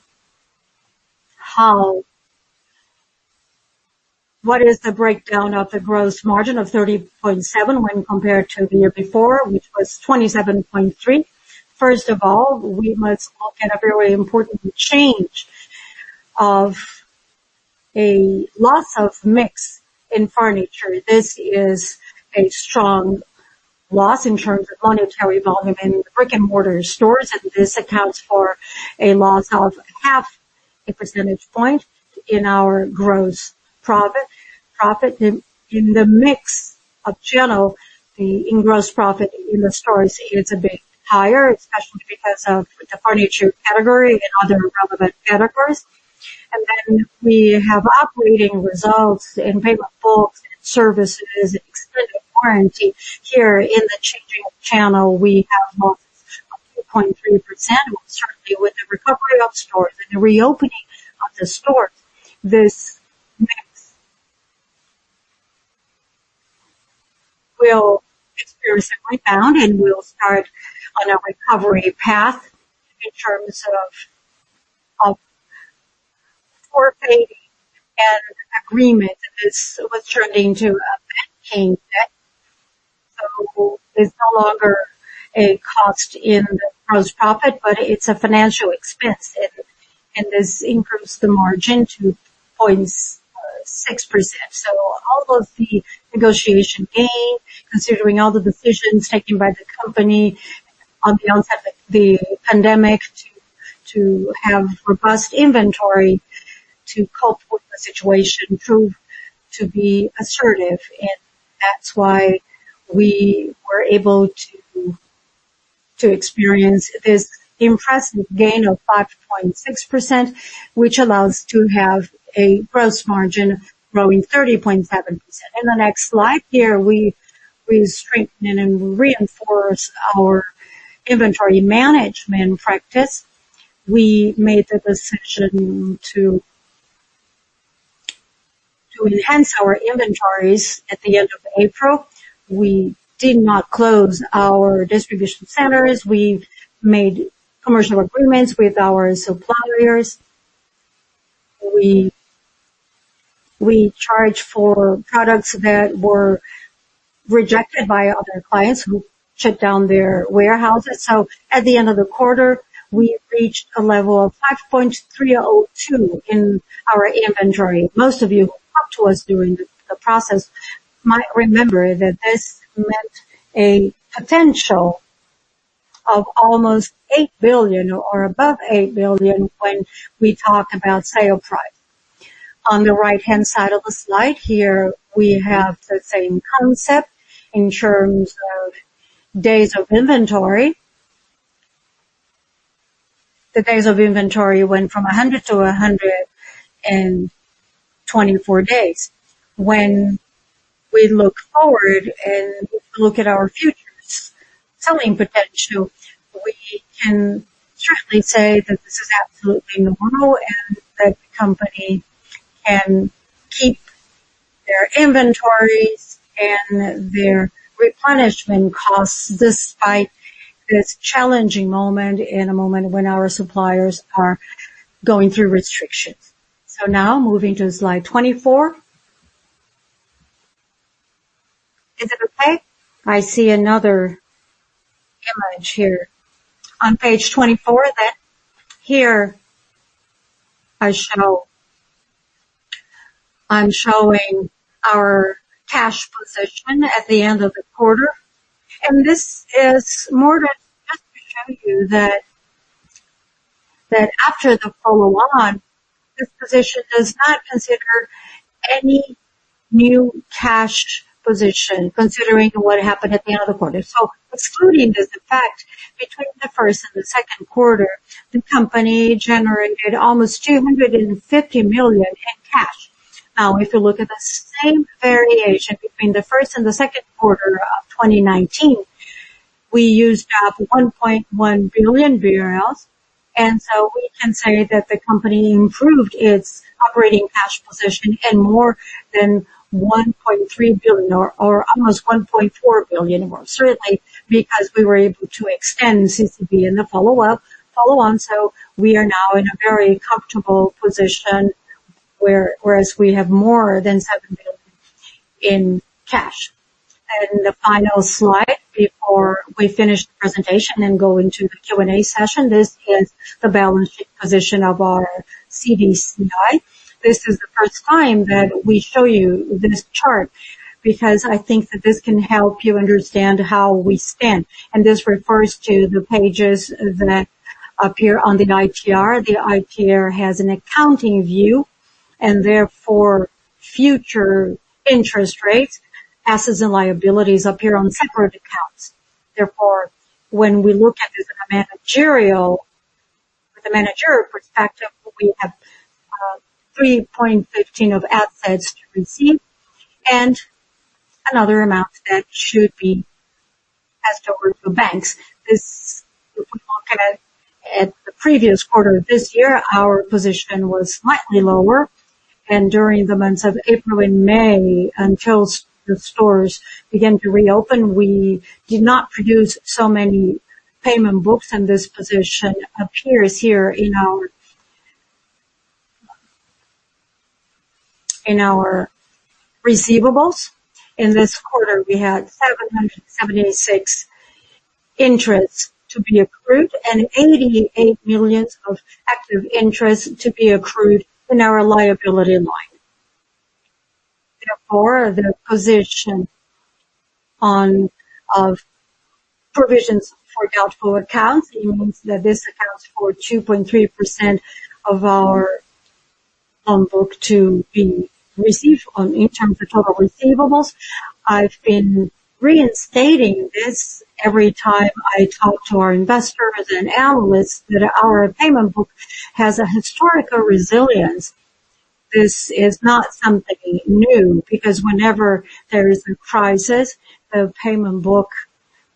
what is the breakdown of the gross margin of 30.7 when compared to the year before, which was 27.3. First of all, we must look at a very important change of a loss of mix in furniture. This is a strong loss in terms of monetary volume in brick-and-mortar stores, and this accounts for a loss of half a percentage point in our gross profit. In the mix of channel, in gross profit in the stores, it's a bit higher, especially because of the furniture category and other relevant categories. We have operating results in payment books and services, extended warranty. Here in the changing channel, we have lost 0.3%. Certainly, with the recovery of stores and the reopening of the stores, this mix will experience a rebound, and we'll start on a recovery path in terms of forfeiting an agreement that was turning to a bad chain debt. It's no longer a cost in the gross profit, but it's a financial expense, and this improves the margin to 0.6%. All of the negotiation gain, considering all the decisions taken by the company on the onset of the pandemic to have robust inventory to cope with the situation, proved to be assertive, and that's why we were able to experience this impressive gain of 5.6%, which allows to have a gross margin growing 30.7%. In the next slide here, we strengthen and reinforce our inventory management practice. We made the decision to enhance our inventories at the end of April. We did not close our distribution centers. We made commercial agreements with our suppliers. We charged for products that were rejected by other clients who shut down their warehouses. At the end of the quarter, we reached a level of 5.302 in our inventory. Most of you who talked to us during the process might remember that this meant a potential of almost 8 billion or above 8 billion when we talk about sale price. On the right-hand side of the slide here, we have the same concept in terms of days of inventory. The days of inventory went from 100-124 days. When we look forward and look at our future selling potential, we can certainly say that this is absolutely normal and that the company can keep their inventories and their replenishment costs despite this challenging moment and a moment when our suppliers are going through restrictions. Now moving to slide 24. Is it okay? I see another image here. On page 24, here I'm showing our cash position at the end of the quarter. This is more just to show you that after the follow-on, this position does not consider any new cash position considering what happened at the end of the quarter. Excluding this fact, between the first and the second quarter, the company generated almost 250 million in cash. If you look at the same variation between the first and the second quarter of 2019, we used up 1.1 billion. We can say that the company improved its operating cash position in more than 1.3 billion or almost 1.4 billion more. Certainly, because we were able to extend CCB in the follow-on, we are now in a very comfortable position whereas we have more than 7 billion in cash. The final slide before we finish the presentation and go into the Q&A session, this is the balance sheet position of our CDCI. This is the first time that we show you this chart, because I think that this can help you understand how we stand. This refers to the pages that appear on the ITR. The ITR has an accounting view, and therefore, future interest rates, assets, and liabilities appear on separate accounts. When we look at this in a managerial perspective, we have 3.15 of assets to receive and another amount that should be passed over to banks. If we look at the previous quarter this year, our position was slightly lower, and during the months of April and May, until the stores began to reopen, we did not produce so many payment books, and this position appears here in our receivables. In this quarter, we had 776 interests to be accrued and 88 million of active interests to be accrued in our liability line. Therefore, the position of provisions for doubtful accounts, it means that this accounts for 2.3% of our book to be received on in terms of total receivables. I've been reinstating this every time I talk to our investors and analysts that our payment book has a historical resilience. This is not something new, because whenever there is a crisis, the payment book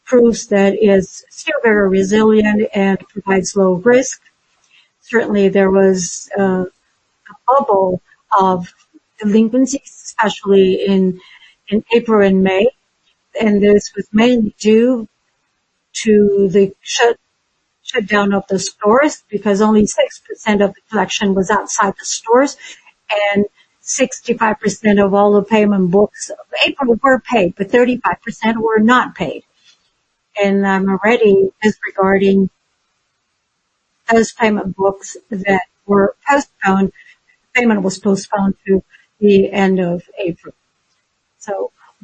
proves that it is still very resilient and provides low risk. Certainly, there was a bubble of delinquencies, actually in April and May, and this was mainly due to the shutdown of the stores because only 6% of the collection was outside the stores, and 65% of all the payment books of April were paid, but 35% were not paid. I'm already disregarding those payment books that were postponed. Payment was postponed to the end of April.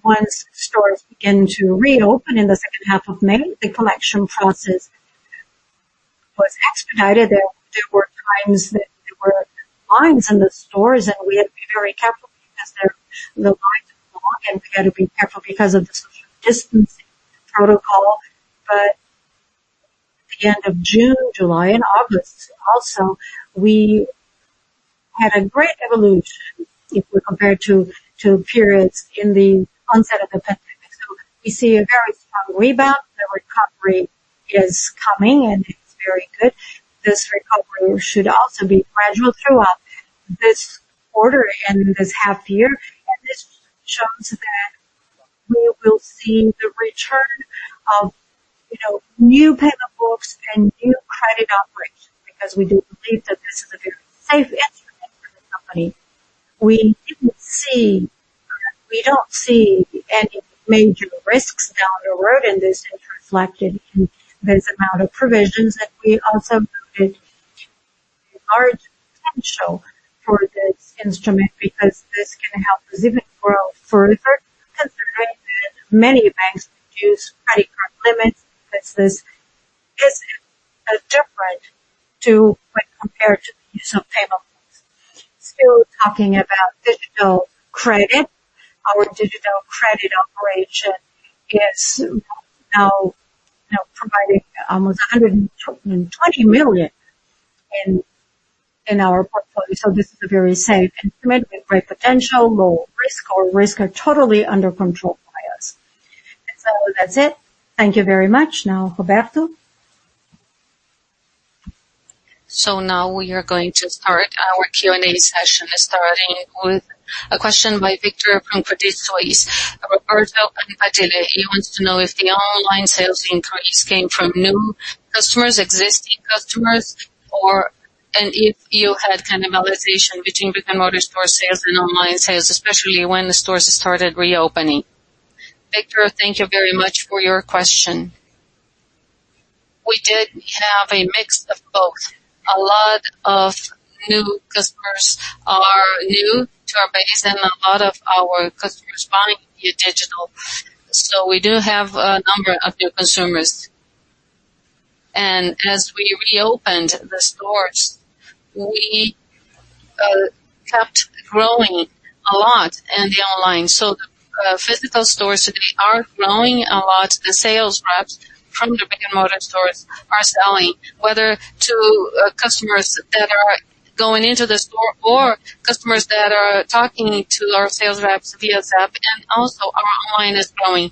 Once stores began to reopen in the second half of May, the collection process was expedited. There were times that there were lines in the stores, and we had to be very careful because the lines were long, and we had to be careful because of the social distancing protocol. At the end of June, July, and August also, we had a great evolution if we compared to periods in the onset of the pandemic. We see a very strong rebound. The recovery is coming, and it's very good. This recovery should also be gradual throughout this quarter and this half year. This shows that we will see the return of new payment books and new credit operations, because we do believe that this is a very safe instrument for the company. We don't see any major risks down the road, and this is reflected in this amount of provisions. We also believe large potential for this instrument because this can help us even grow further, considering that many banks use credit card limits because this is different when compared to the use of payment books. Still talking about digital credit. Our digital credit operation is now providing almost 120 million in our portfolio. This is a very safe instrument with great potential, low risk. Our risks are totally under control by us. That's it. Thank you very much. Now, Roberto. Now we are going to start our Q&A session, starting with a question by Victor from Credit Suisse. Roberto and Padilha, he wants to know if the online sales increase came from new customers, existing customers, and if you had cannibalization between Casas Bahia stores sales and online sales, especially when the stores started reopening. Victor, thank you very much for your question. We did have a mix of both. A lot. Of new customers are new to our base and a lot of our customers buying via digital. We do have a number of new consumers. As we reopened the stores, we kept growing a lot in the online. Physical stores, we are growing a lot. The sales reps from the brick-and-mortar stores are selling, whether to customers that are going into the store or customers that are talking to our sales reps via WhatsApp, and also our online is growing.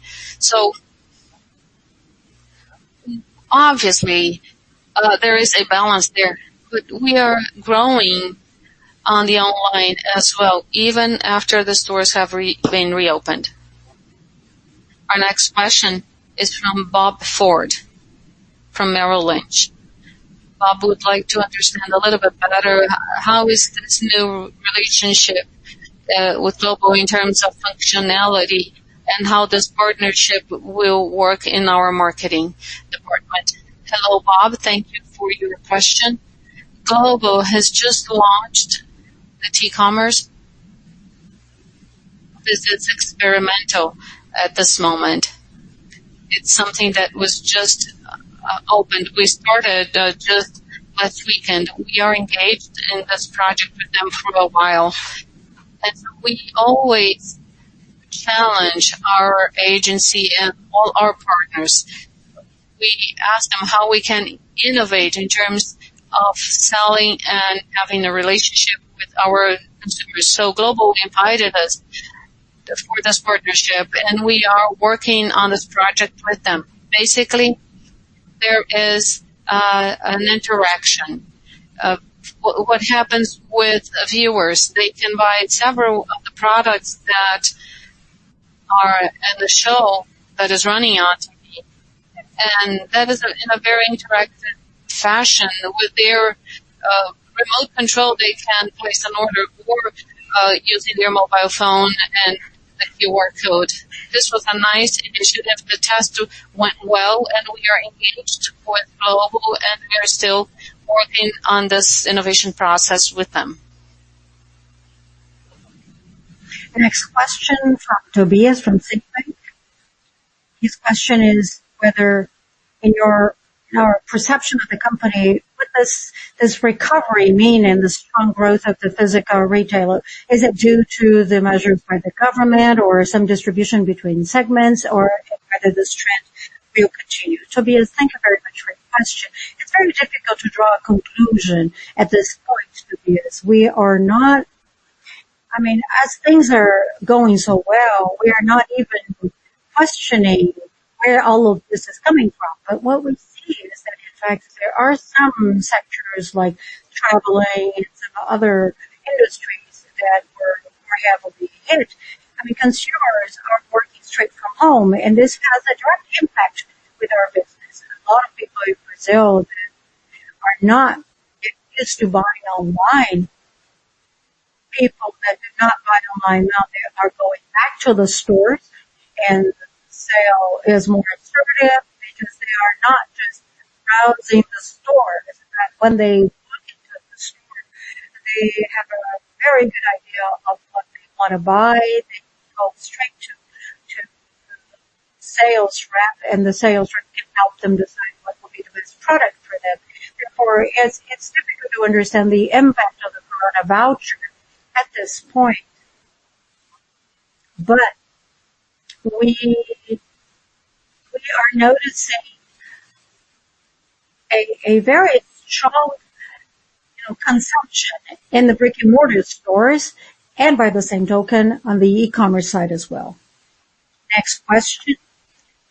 Obviously, there is a balance there. We are growing on the online as well, even after the stores have been reopened. Our next question is from Bob Ford from Merrill Lynch. Bob would like to understand a little bit better how is this new relationship with Globo in terms of functionality and how this partnership will work in our marketing department? Hello, Bob. Thank you for your question. Globo has just launched the T-commerce. This is experimental at this moment. It's something that was just opened. We started just last weekend. We are engaged in this project with them for a while, and we always challenge our agency and all our partners. We ask them how we can innovate in terms of selling and having a relationship with our consumers. Globo invited us for this partnership, and we are working on this project with them. Basically, there is an interaction of what happens with viewers. They can buy several of the products that are in the show that is running on TV, and that is in a very interactive fashion. With their remote control, they can place an order or using their mobile phone and a QR code. This was a nice initiative. The test went well, and we are engaged with Globo, and we are still working on this innovation process with them. Next question from Tobias from Citibank. His question is whether in our perception of the company, what does this recovery mean in the strong growth of the physical retailer? Is it due to the measures by the government or some distribution between segments, or whether this trend will continue? Tobias, thank you very much for your question. It's very difficult to draw a conclusion at this point, Tobias. As things are going so well, we are not even questioning where all of this is coming from. What we see is that, in fact, there are some sectors like traveling and some other industries that were heavily hit. Because consumers are working straight from home, and this has a direct impact with our business. A lot of people in Brazil are not used to buying online. People that did not buy online now they are going back to the stores, and the sale is more conservative because they are not just browsing the store. As a matter of fact, when they walk into the store, they have a very good idea of what they want to buy. They go straight to the sales rep, and the sales rep can help them decide what will be the best product for them. Therefore, it's difficult to understand the impact of the Coronavoucher at this point. We are noticing a very strong consumption in the brick-and-mortar stores and by the same token, on the e-commerce side as well. Next question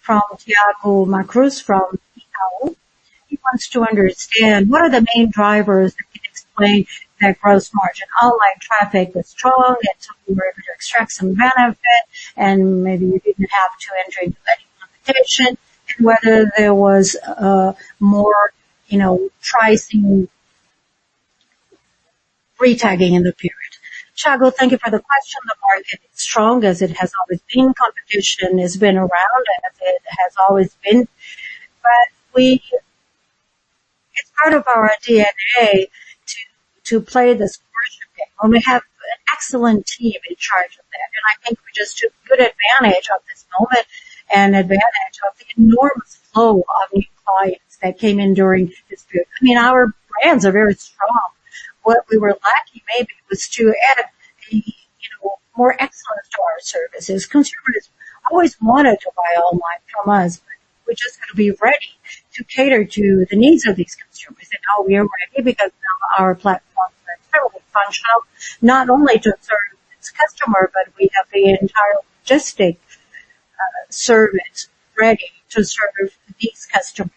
from Thiago Macruz from Itaú. He wants to understand what are the main drivers that can explain that gross margin. Online traffic was strong, it took you forever to extract some benefit, and maybe you didn't have to enter into any competition, and whether there was a more pricing retagging in the period. Thiago, thank you for the question. The market is strong as it has always been. Competition has been around as it has always been. It's part of our DNA to play this portion game. We have an excellent team in charge of that, and I think we just took good advantage of this moment and advantage of the enormous flow of new clients that came in during this period. Our brands are very strong. What we were lacking maybe was to add more excellence to our services. Consumers always wanted to buy online from us, but we just got to be ready to cater to the needs of these consumers. Now we are ready because now our platform is terribly functional, not only to serve this customer, but we have the entire logistic service ready to serve these customers.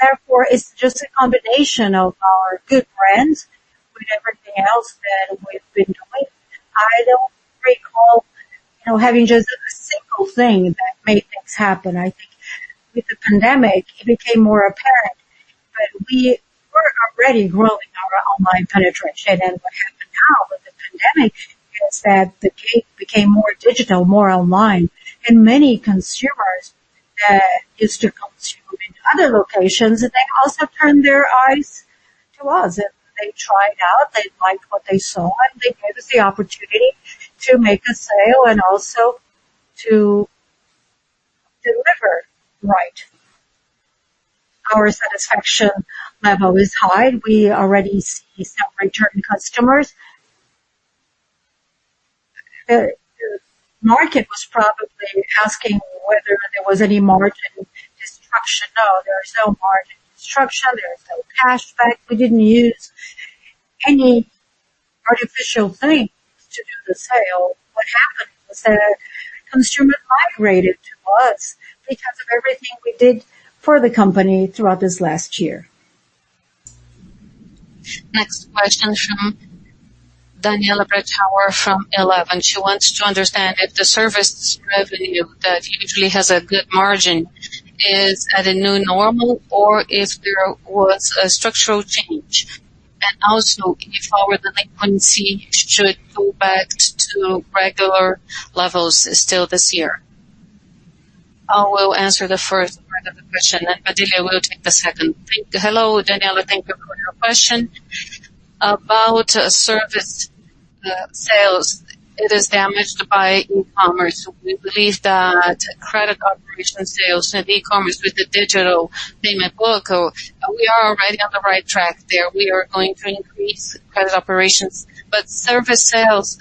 Therefore, it's just a combination of our good brands with everything else that we've been doing. I don't recall having just a single thing that made things happen. I think with the pandemic, it became more apparent, but we were already growing our online penetration. pandemic is that the cake became more digital, more online, and many consumers that used to consume in other locations, they also turned their eyes to us, and they tried it out. They liked what they saw, and they gave us the opportunity to make a sale and also to deliver right. Our satisfaction level is high. We already see some return customers. The market was probably asking whether there was any margin destruction. No, there is no margin destruction. There is no cash back. We didn't use any artificial things to do the sale. What happened was that consumers migrated to us because of everything we did for the company throughout this last year. Next question from Daniela Bretthauer from Eleven. She wants to understand if the service revenue that usually has a good margin is at a new normal or if there was a structural change. Also, if our delinquency should go back to regular levels still this year. I will answer the first part of the question. Padilha will take the second. Hello, Daniela. Thank you for your question. Service sales, it is damaged by e-commerce. We believe that credit operation sales and e-commerce with the digital payment book, we are already on the right track there. We are going to increase credit operations. Service sales,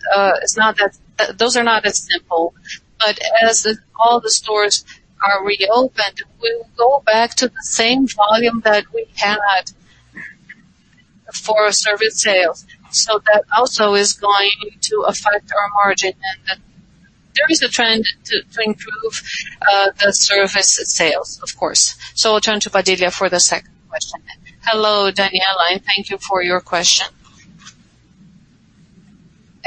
those are not as simple. As all the stores are reopened, we'll go back to the same volume that we had for service sales. That also is going to affect our margin. There is a trend to improve the service sales, of course. I'll turn to Padilha for the second question. Hello, Daniela, thank you for your question.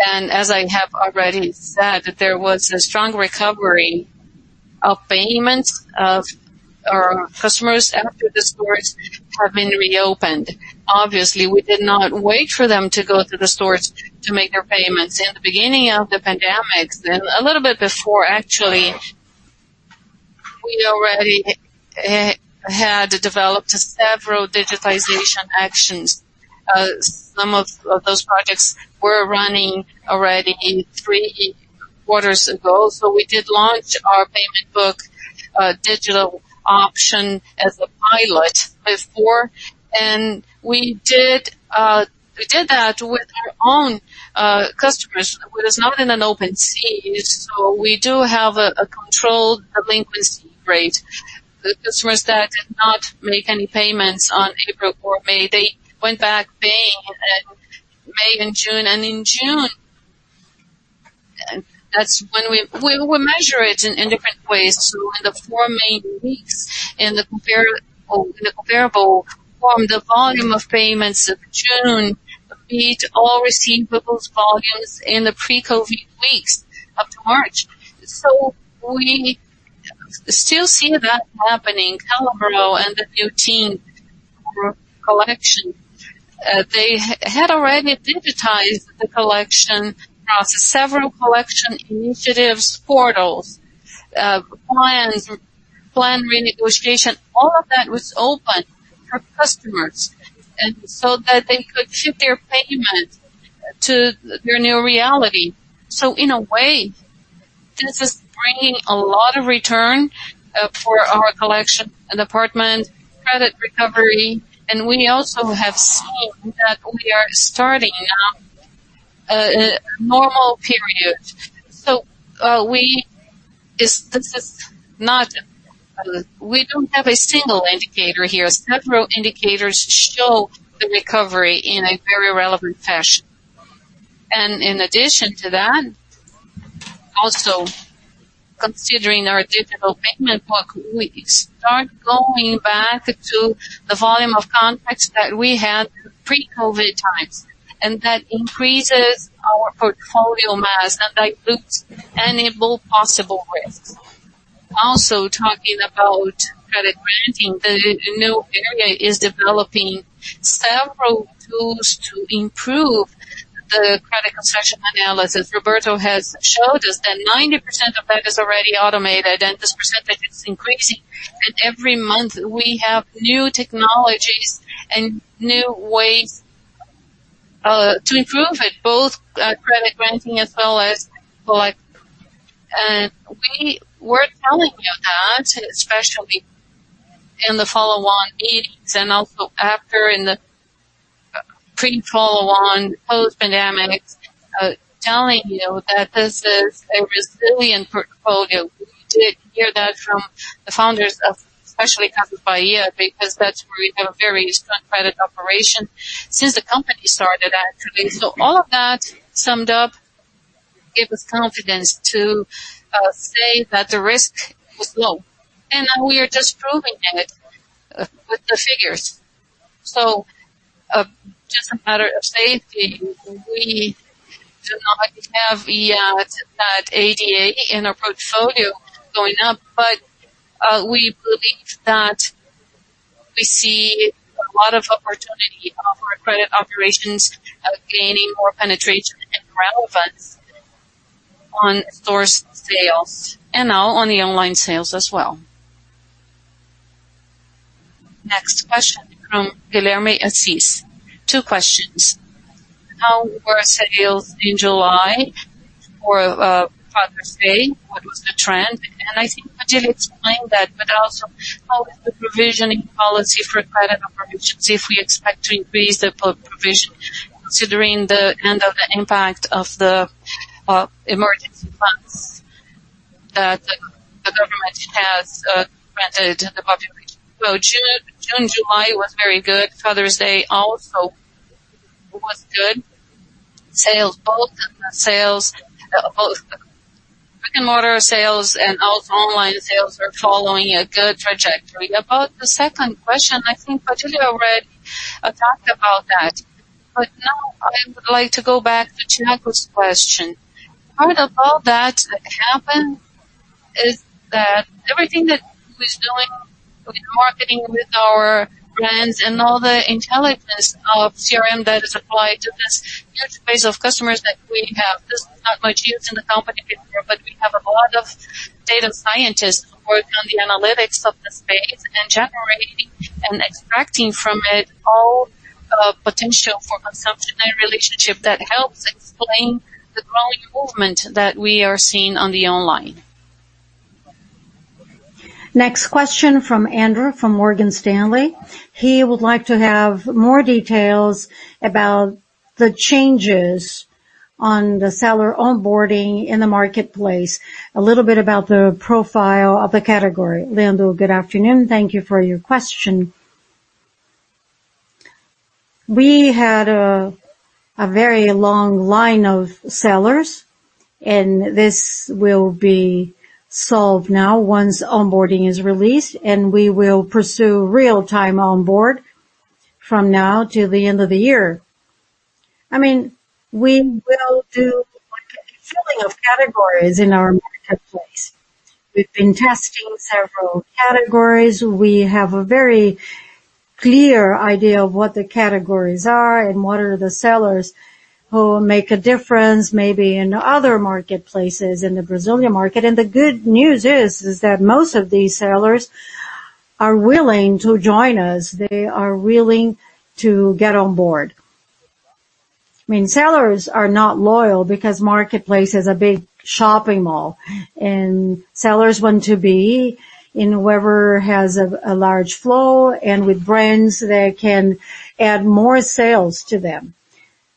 As I have already said, there was a strong recovery of payments of our customers after the stores have been reopened. Obviously, we did not wait for them to go to the stores to make their payments. In the beginning of the pandemic, then a little bit before actually, we already had developed several digitization actions. Some of those projects were running already three quarters ago. We did launch our payment book digital option as a pilot before, and we did that with our own customers. It is not in an open sea, so we do have a controlled delinquency rate. The customers that did not make any payments on April or May, they went back paying in May and June. In June, that's when we measure it in different ways. In the four main weeks, in the comparable form, the volume of payments of June beat all receivables volumes in the pre-COVID weeks up to March. We still see that happening. Calibra and the new team collection, they had already digitized the collection. Now, several collection initiatives, portals, plans, plan renegotiation, all of that was open for customers so that they could shift their payment to their new reality. In a way, this is bringing a lot of return for our collection department, credit recovery, and we also have seen that we are starting now a normal period. We don't have a single indicator here. Several indicators show the recovery in a very relevant fashion. In addition to that, also considering our digital payment book, we start going back to the volume of contacts that we had pre-COVID times, and that increases our portfolio mass, and that loops enable possible risks. Also talking about credit granting, the new area is developing several tools to improve the credit concession analysis. Roberto has showed us that 90% of that is already automated, and this percentage is increasing. Every month, we have new technologies and new ways to improve it, both credit granting as well as collect. We were telling you that, especially in the follow-on meetings and also after in the pre-follow-on, post-pandemic, telling you that this is a resilient portfolio. You did hear that from the founders of especially Casas Bahia because that's where we have a very strong credit operation since the company started, actually. All of that summed up gave us confidence to say that the risk was low, and now we are just proving it with the figures. Just a matter of safety, we do not have that ADA in our portfolio going up, but we see a lot of opportunity for our credit operations gaining more penetration and relevance on stores sales and now on the online sales as well. Next question from Guilherme Assis. Two questions. How were sales in July for Father's Day? What was the trend? I think Padilha explained that, but also how is the provisioning policy for credit operations, if we expect to increase the provision considering the end of the impact of the emergency funds that the government has granted the population. Well, June, July was very good. Father's Day also was good. Both the brick-and-mortar sales and also online sales are following a good trajectory. About the second question, I think Padilha already talked about that. Now I would like to go back to Guilherme's question. Part of all that happened is that everything that we're doing with marketing, with our brands, and all the intelligence of CRM that is applied to this huge base of customers that we have. This is not much used in the company before, but we have a lot of data scientists who work on the analytics of the space and generating and extracting from it all potential for consumption and relationship that helps explain the growing movement that we are seeing on the online. Next question from Andrew, from Morgan Stanley. He would like to have more details about the changes on the seller onboarding in the marketplace. A little bit about the profile of the category. Andrew, good afternoon. Thank you for your question. We had a very long line of sellers. This will be solved now once onboarding is released. We will pursue real-time onboard from now till the end of the year. We will do a refilling of categories in our marketplace. We've been testing several categories. We have a very clear idea of what the categories are and what are the sellers who make a difference, maybe in other marketplaces in the Brazilian market. The good news is that most of these sellers are willing to join us. They are willing to get on board. Sellers are not loyal because marketplace is a big shopping mall, and sellers want to be in wherever has a large flow and with brands that can add more sales to them.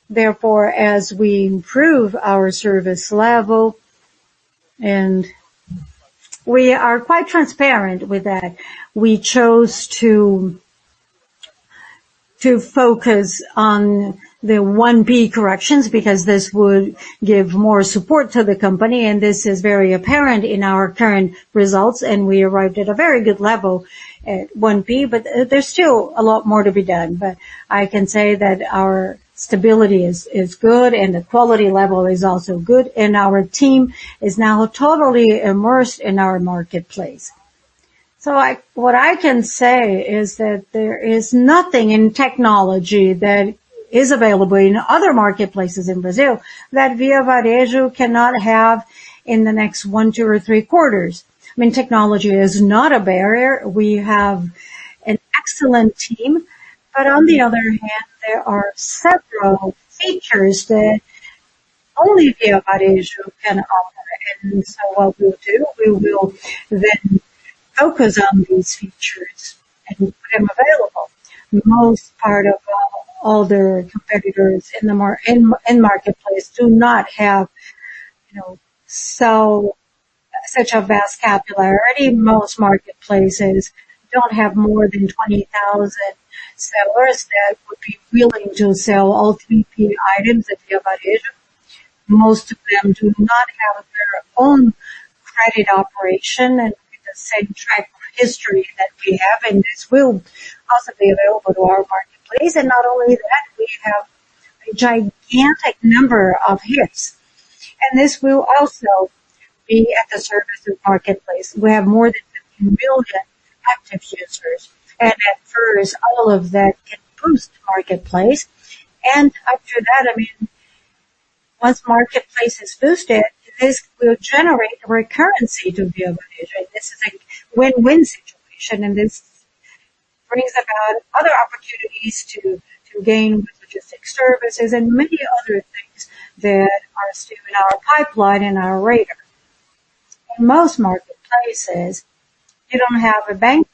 Therefore, as we improve our service level, and we are quite transparent with that. We chose to focus on the 1P corrections because this would give more support to the company, and this is very apparent in our current results, and we arrived at a very good level at 1P, but there's still a lot more to be done. I can say that our stability is good and the quality level is also good, and our team is now totally immersed in our marketplace. What I can say is that there is nothing in technology that is available in other marketplaces in Brazil that Via Varejo cannot have in the next one, two, or three quarters. Technology is not a barrier. We have an excellent team. On the other hand, there are several features that only Via Varejo can offer. What we'll do, we will then focus on these features and make them available. Most part of all the competitors in the marketplace do not have such a vast popularity. Most marketplaces don't have more than 20,000 sellers that would be willing to sell all 3P items at Via Varejo. Most of them do not have their own credit operation and with the same track record history that we have, and this will also be available to our marketplace. Not only that, we have a gigantic number of hits. This will also be at the service of the marketplace. We have more than 15 million active users, and at first, all of that can boost the marketplace. After that, once the marketplace is boosted, this will generate a recurrency to Via Varejo. This is a win-win situation. This brings about other opportunities to gain with logistics services and many other things that are still in our pipeline and our radar. In most marketplaces, you don't have a bank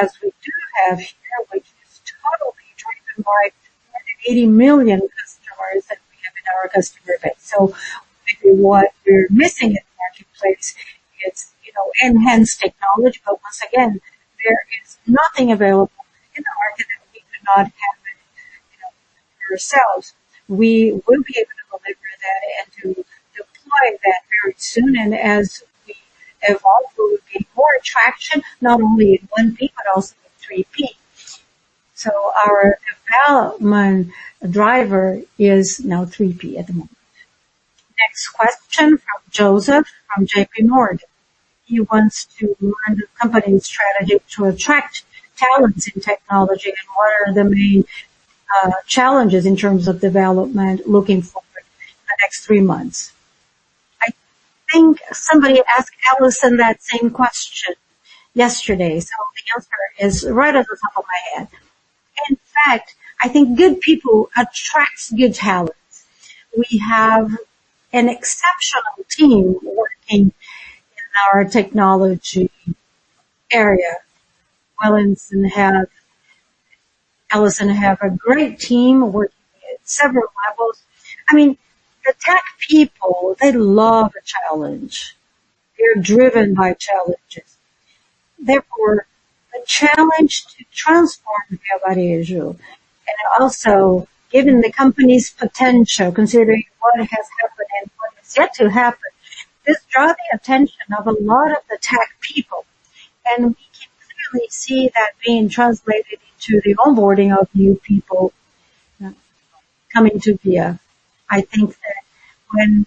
as we do have here, which is totally driven by more than 80 million customers that we have in our customer base. Maybe what we're missing in the marketplace, it's enhanced technology, but once again, there is nothing available in the market that we could not have it ourselves. We will be able to deliver that and to deploy that very soon. As we evolve, we will gain more traction, not only in 1P, but also in 3P. Our development driver is now 3P at the moment. This question from Joseph from JPMorgan. He wants to learn the company's strategy to attract talents in technology, and what are the main challenges in terms of development looking forward in the next three months? I think somebody asked Helisson that same question yesterday, so the answer is right off the top of my head. In fact, I think good people attracts good talents. We have an exceptional team working in our technology area. Helisson have a great team working at several levels. The tech people, they love a challenge. They're driven by challenges. The challenge to transform Via Varejo, and also given the company's potential, considering what has happened and what is yet to happen, this draw the attention of a lot of the tech people, and we can clearly see that being translated into the onboarding of new people coming to Via. I think that when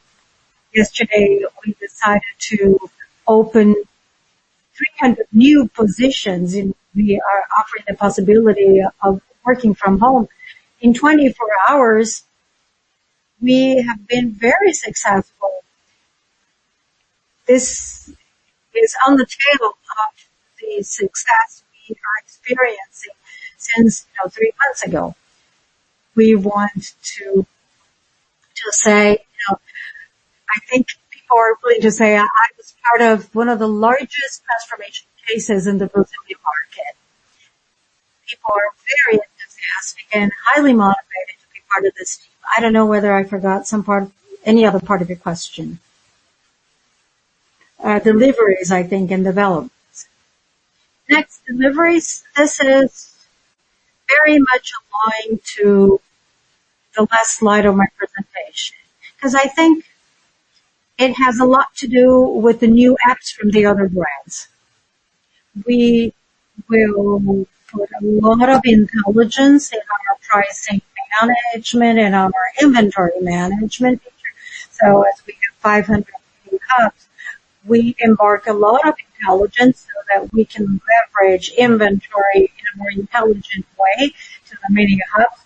yesterday we decided to open 300 new positions, and we are offering the possibility of working from home. In 24 hours, we have been very successful. This is on the tail of the success we are experiencing since three months ago. We want to say, I think people are willing to say, "I was part of one of the largest transformation cases in the Brazilian market." People are very enthusiastic and highly motivated to be part of this team. I don't know whether I forgot any other part of your question. Deliveries, I think, and developments. Next, deliveries. This is very much aligned to the last slide of my presentation, because I think it has a lot to do with the new apps from the other brands. We will put a lot of intelligence in our pricing management and our inventory management feature. As we have 500 new hubs, we embark a lot of intelligence so that we can leverage inventory in a more intelligent way to the mini hubs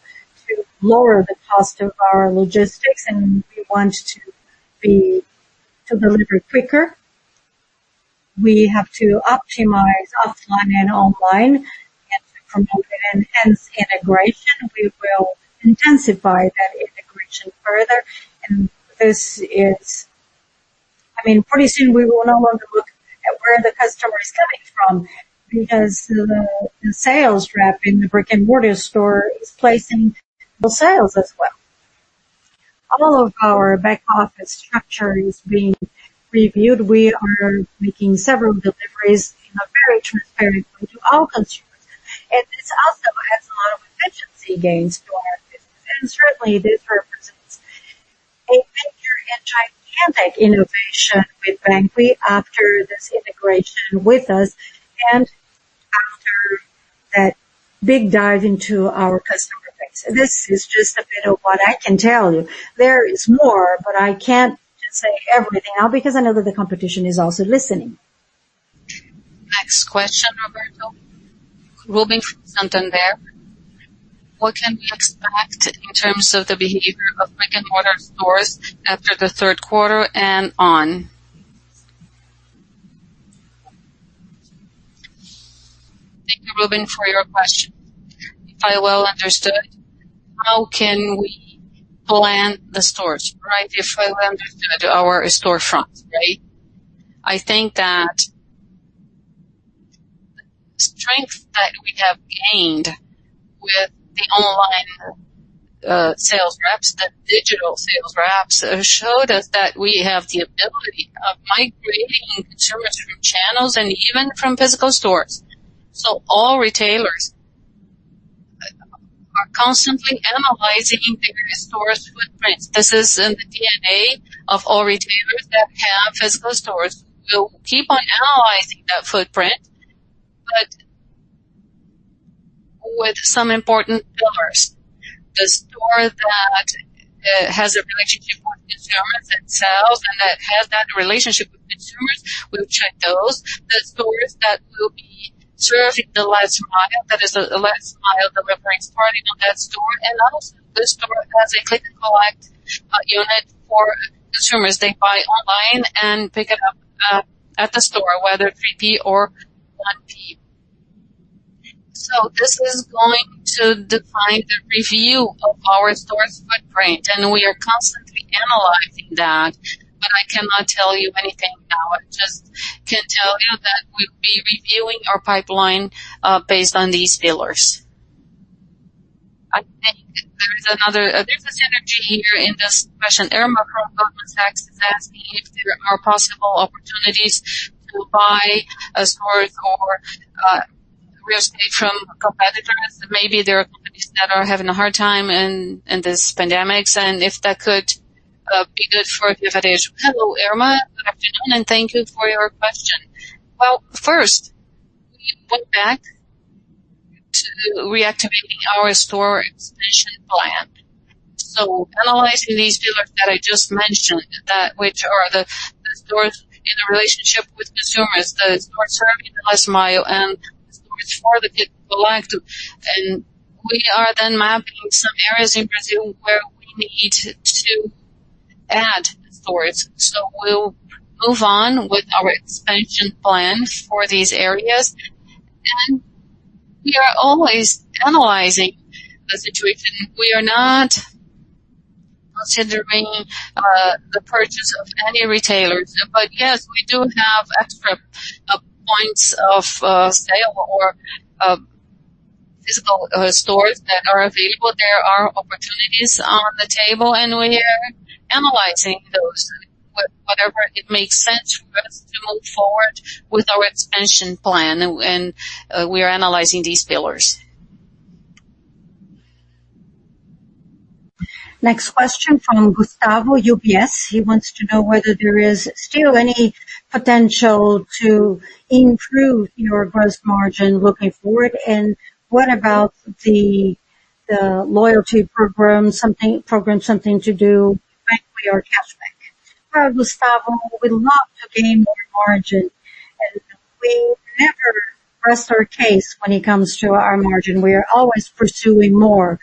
to lower the cost of our logistics, and we want to deliver quicker. We have to optimize offline and online and to promote an enhanced integration. We will intensify that integration further. Pretty soon we will no longer look at where the customer is coming from, because the sales rep in the brick-and-mortar store is placing the sales as well. All of our back office structure is being reviewed. We are making several deliveries in a very transparent way to all consumers. This also has a lot of efficiency gains for our business, and certainly this represents a bigger and gigantic innovation with banQi after this integration with us and after that big dive into our customer base. This is just a bit of what I can tell you. There is more, but I can't just say everything now because I know that the competition is also listening. Next question, Roberto. Ruben from Santander. What can we expect in terms of the behavior of brick-and-mortar stores after the third quarter and on? Thank you, Ruben, for your question. If I well understood, how can we plan the stores, right? If I well understood, our storefronts, right? I think that the strength that we have gained with the online sales reps, the digital sales reps, showed us that we have the ability of migrating consumers from channels and even from physical stores. All retailers are constantly analyzing their stores' footprints. This is in the DNA of all retailers that have physical stores. We will keep on analyzing that footprint, but with some important pillars. The store that has a relationship with consumers and sells, and that has that relationship with consumers, we'll check those. The stores that will be serving the last mile, that is the last mile delivery starting on that store. Also the store has a click-and-collect unit for consumers. They buy online and pick it up at the store, whether 3P or 1P. This is going to define the review of our store's footprint, and we are constantly analyzing that, but I cannot tell you anything now. I just can tell you that we'll be reviewing our pipeline, based on these pillars. I think there's this energy here in this question. Irma from Goldman Sachs is asking if there are possible opportunities to buy a store or real estate from competitors. Maybe there are companies that are having a hard time in this pandemic, and if that could be good for Via Varejo. Hello, Irma. Good afternoon, and thank you for your question. First, we look back. Reactivating our store expansion plan. Analyzing these pillars that I just mentioned, which are the stores in a relationship with consumers, the stores serving the last mile and the stores for the people like them. We are mapping some areas in Brazil where we need to add stores. We'll move on with our expansion plan for these areas. We are always analyzing the situation. We are not considering the purchase of any retailers. Yes, we do have extra points of sale or physical stores that are available. There are opportunities on the table, and we are analyzing those. Whatever makes sense for us to move forward with our expansion plan. We are analyzing these pillars. Next question from Gustavo, UBS. He wants to know whether there is still any potential to improve your gross margin looking forward. What about the loyalty program, something to do with cashback? Well, Gustavo, we love to gain more margin, and we never rest our case when it comes to our margin. We are always pursuing more.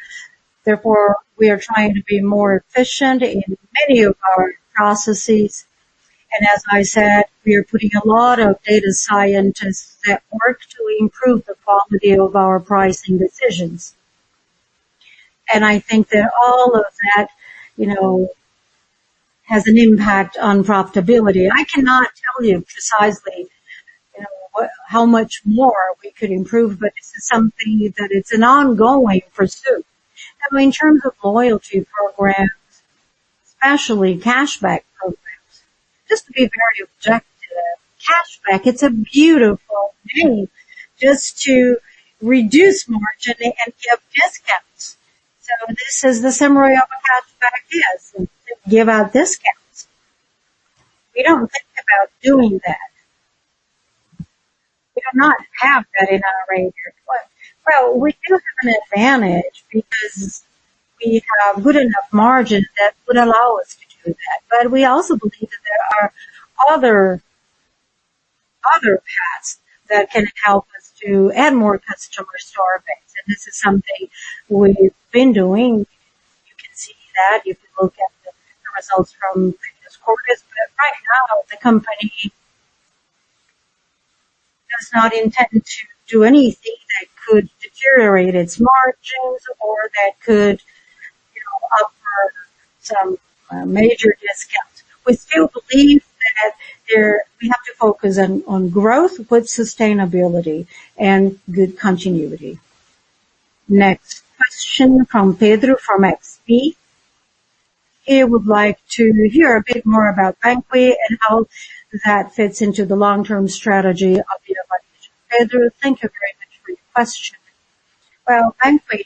Therefore, we are trying to be more efficient in many of our processes. As I said, we are putting a lot of data scientists at work to improve the quality of our pricing decisions. I think that all of that has an impact on profitability. I cannot tell you precisely how much more we could improve, but this is something that it's an ongoing pursuit. In terms of loyalty programs, especially cashback programs, just to be very objective. Cashback, it's a beautiful name just to reduce margin and give discounts. This is the summary of a cashback is. It gives out discounts. We don't think about doing that. We do not have that in our range. We do have an advantage because we have good enough margin that would allow us to do that. We also believe that there are other paths that can help us to add more customer store base. This is something we've been doing. You can see that if you look at the results from previous quarters. Right now, the company does not intend to do anything that could deteriorate its margins or that could offer some major discount. We still believe that we have to focus on growth with sustainability and good continuity. Next question from Pedro from XP. He would like to hear a bit more about banQi and how that fits into the long-term strategy of Via Varejo. Pedro, thank you very much for your question. Well, banQi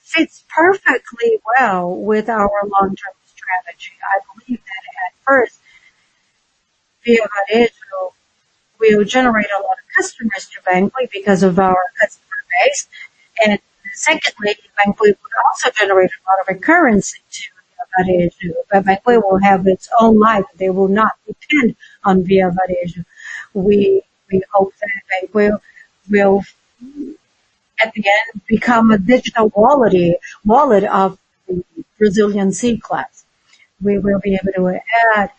fits perfectly well with our long-term strategy. I believe that at first, Via Varejo will generate a lot of customers to banQi because of our customer base. Secondly, banQi will also generate a lot of recurrency to Via Varejo. banQi will have its own life. They will not depend on Via Varejo. We hope that banQi will, at the end, become a digital wallet of the Brazilian C class, where we'll be able to add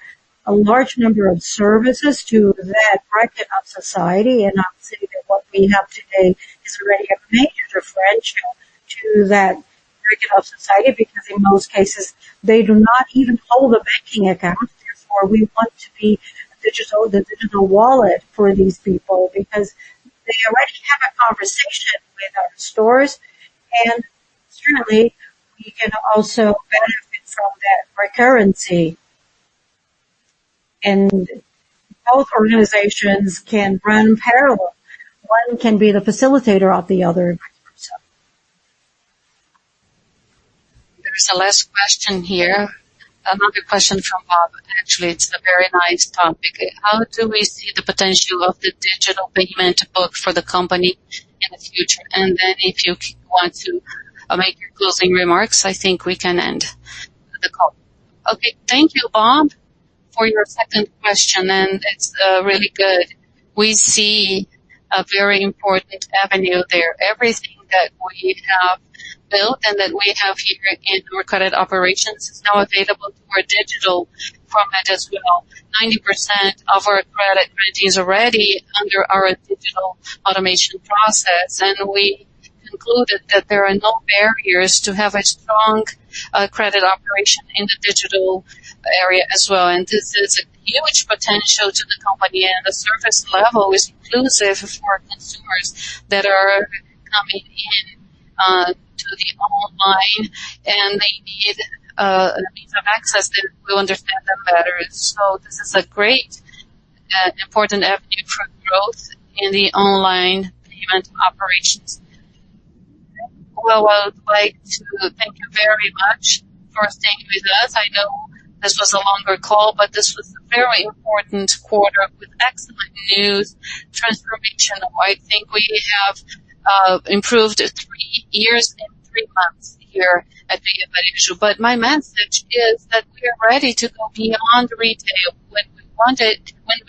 a large number of services to that bracket of society. I'm saying that what we have today is already a major differential to that bracket of society, because in most cases, they do not even hold a banking account. We want to be the digital wallet for these people because they already have a conversation with our stores, and certainly we can also benefit from that recurrency. Both organizations can run parallel. One can be the facilitator of the other. There's a last question here. Another question from Bob. It's a very nice topic. How do we see the potential of the digital payment book for the company in the future? If you want to make your closing remarks, I think we can end the call. Okay. Thank you, Bob, for your second question, and it's really good. We see a very important avenue there. Everything that we have built and that we have here in our credit operations is now available through our digital format as well. 90% of our credit is already under our digital automation process, and we concluded that there are no barriers to have a strong credit operation in the digital area as well. This is a huge potential to the company and a surface level exclusive for consumers that are coming in to the online, and they need a means of access that will understand them better. This is a great important avenue for growth in the online payment operations. Well, I would like to thank you very much for staying with us. I know this was a longer call, but this was a very important quarter with excellent news, transformation. I think we have improved three years and three months here at Via Varejo. My message is that we are ready to go beyond retail. When we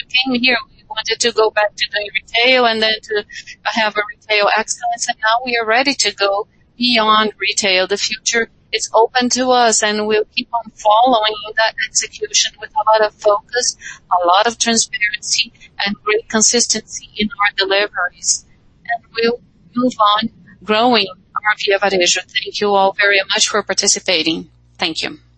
came here, we wanted to go back to the retail and then to have a retail excellence, and now we are ready to go beyond retail. The future is open to us, we'll keep on following that execution with a lot of focus, a lot of transparency, and great consistency in our deliveries. We'll move on growing our Via Varejo. Thank you all very much for participating. Thank you.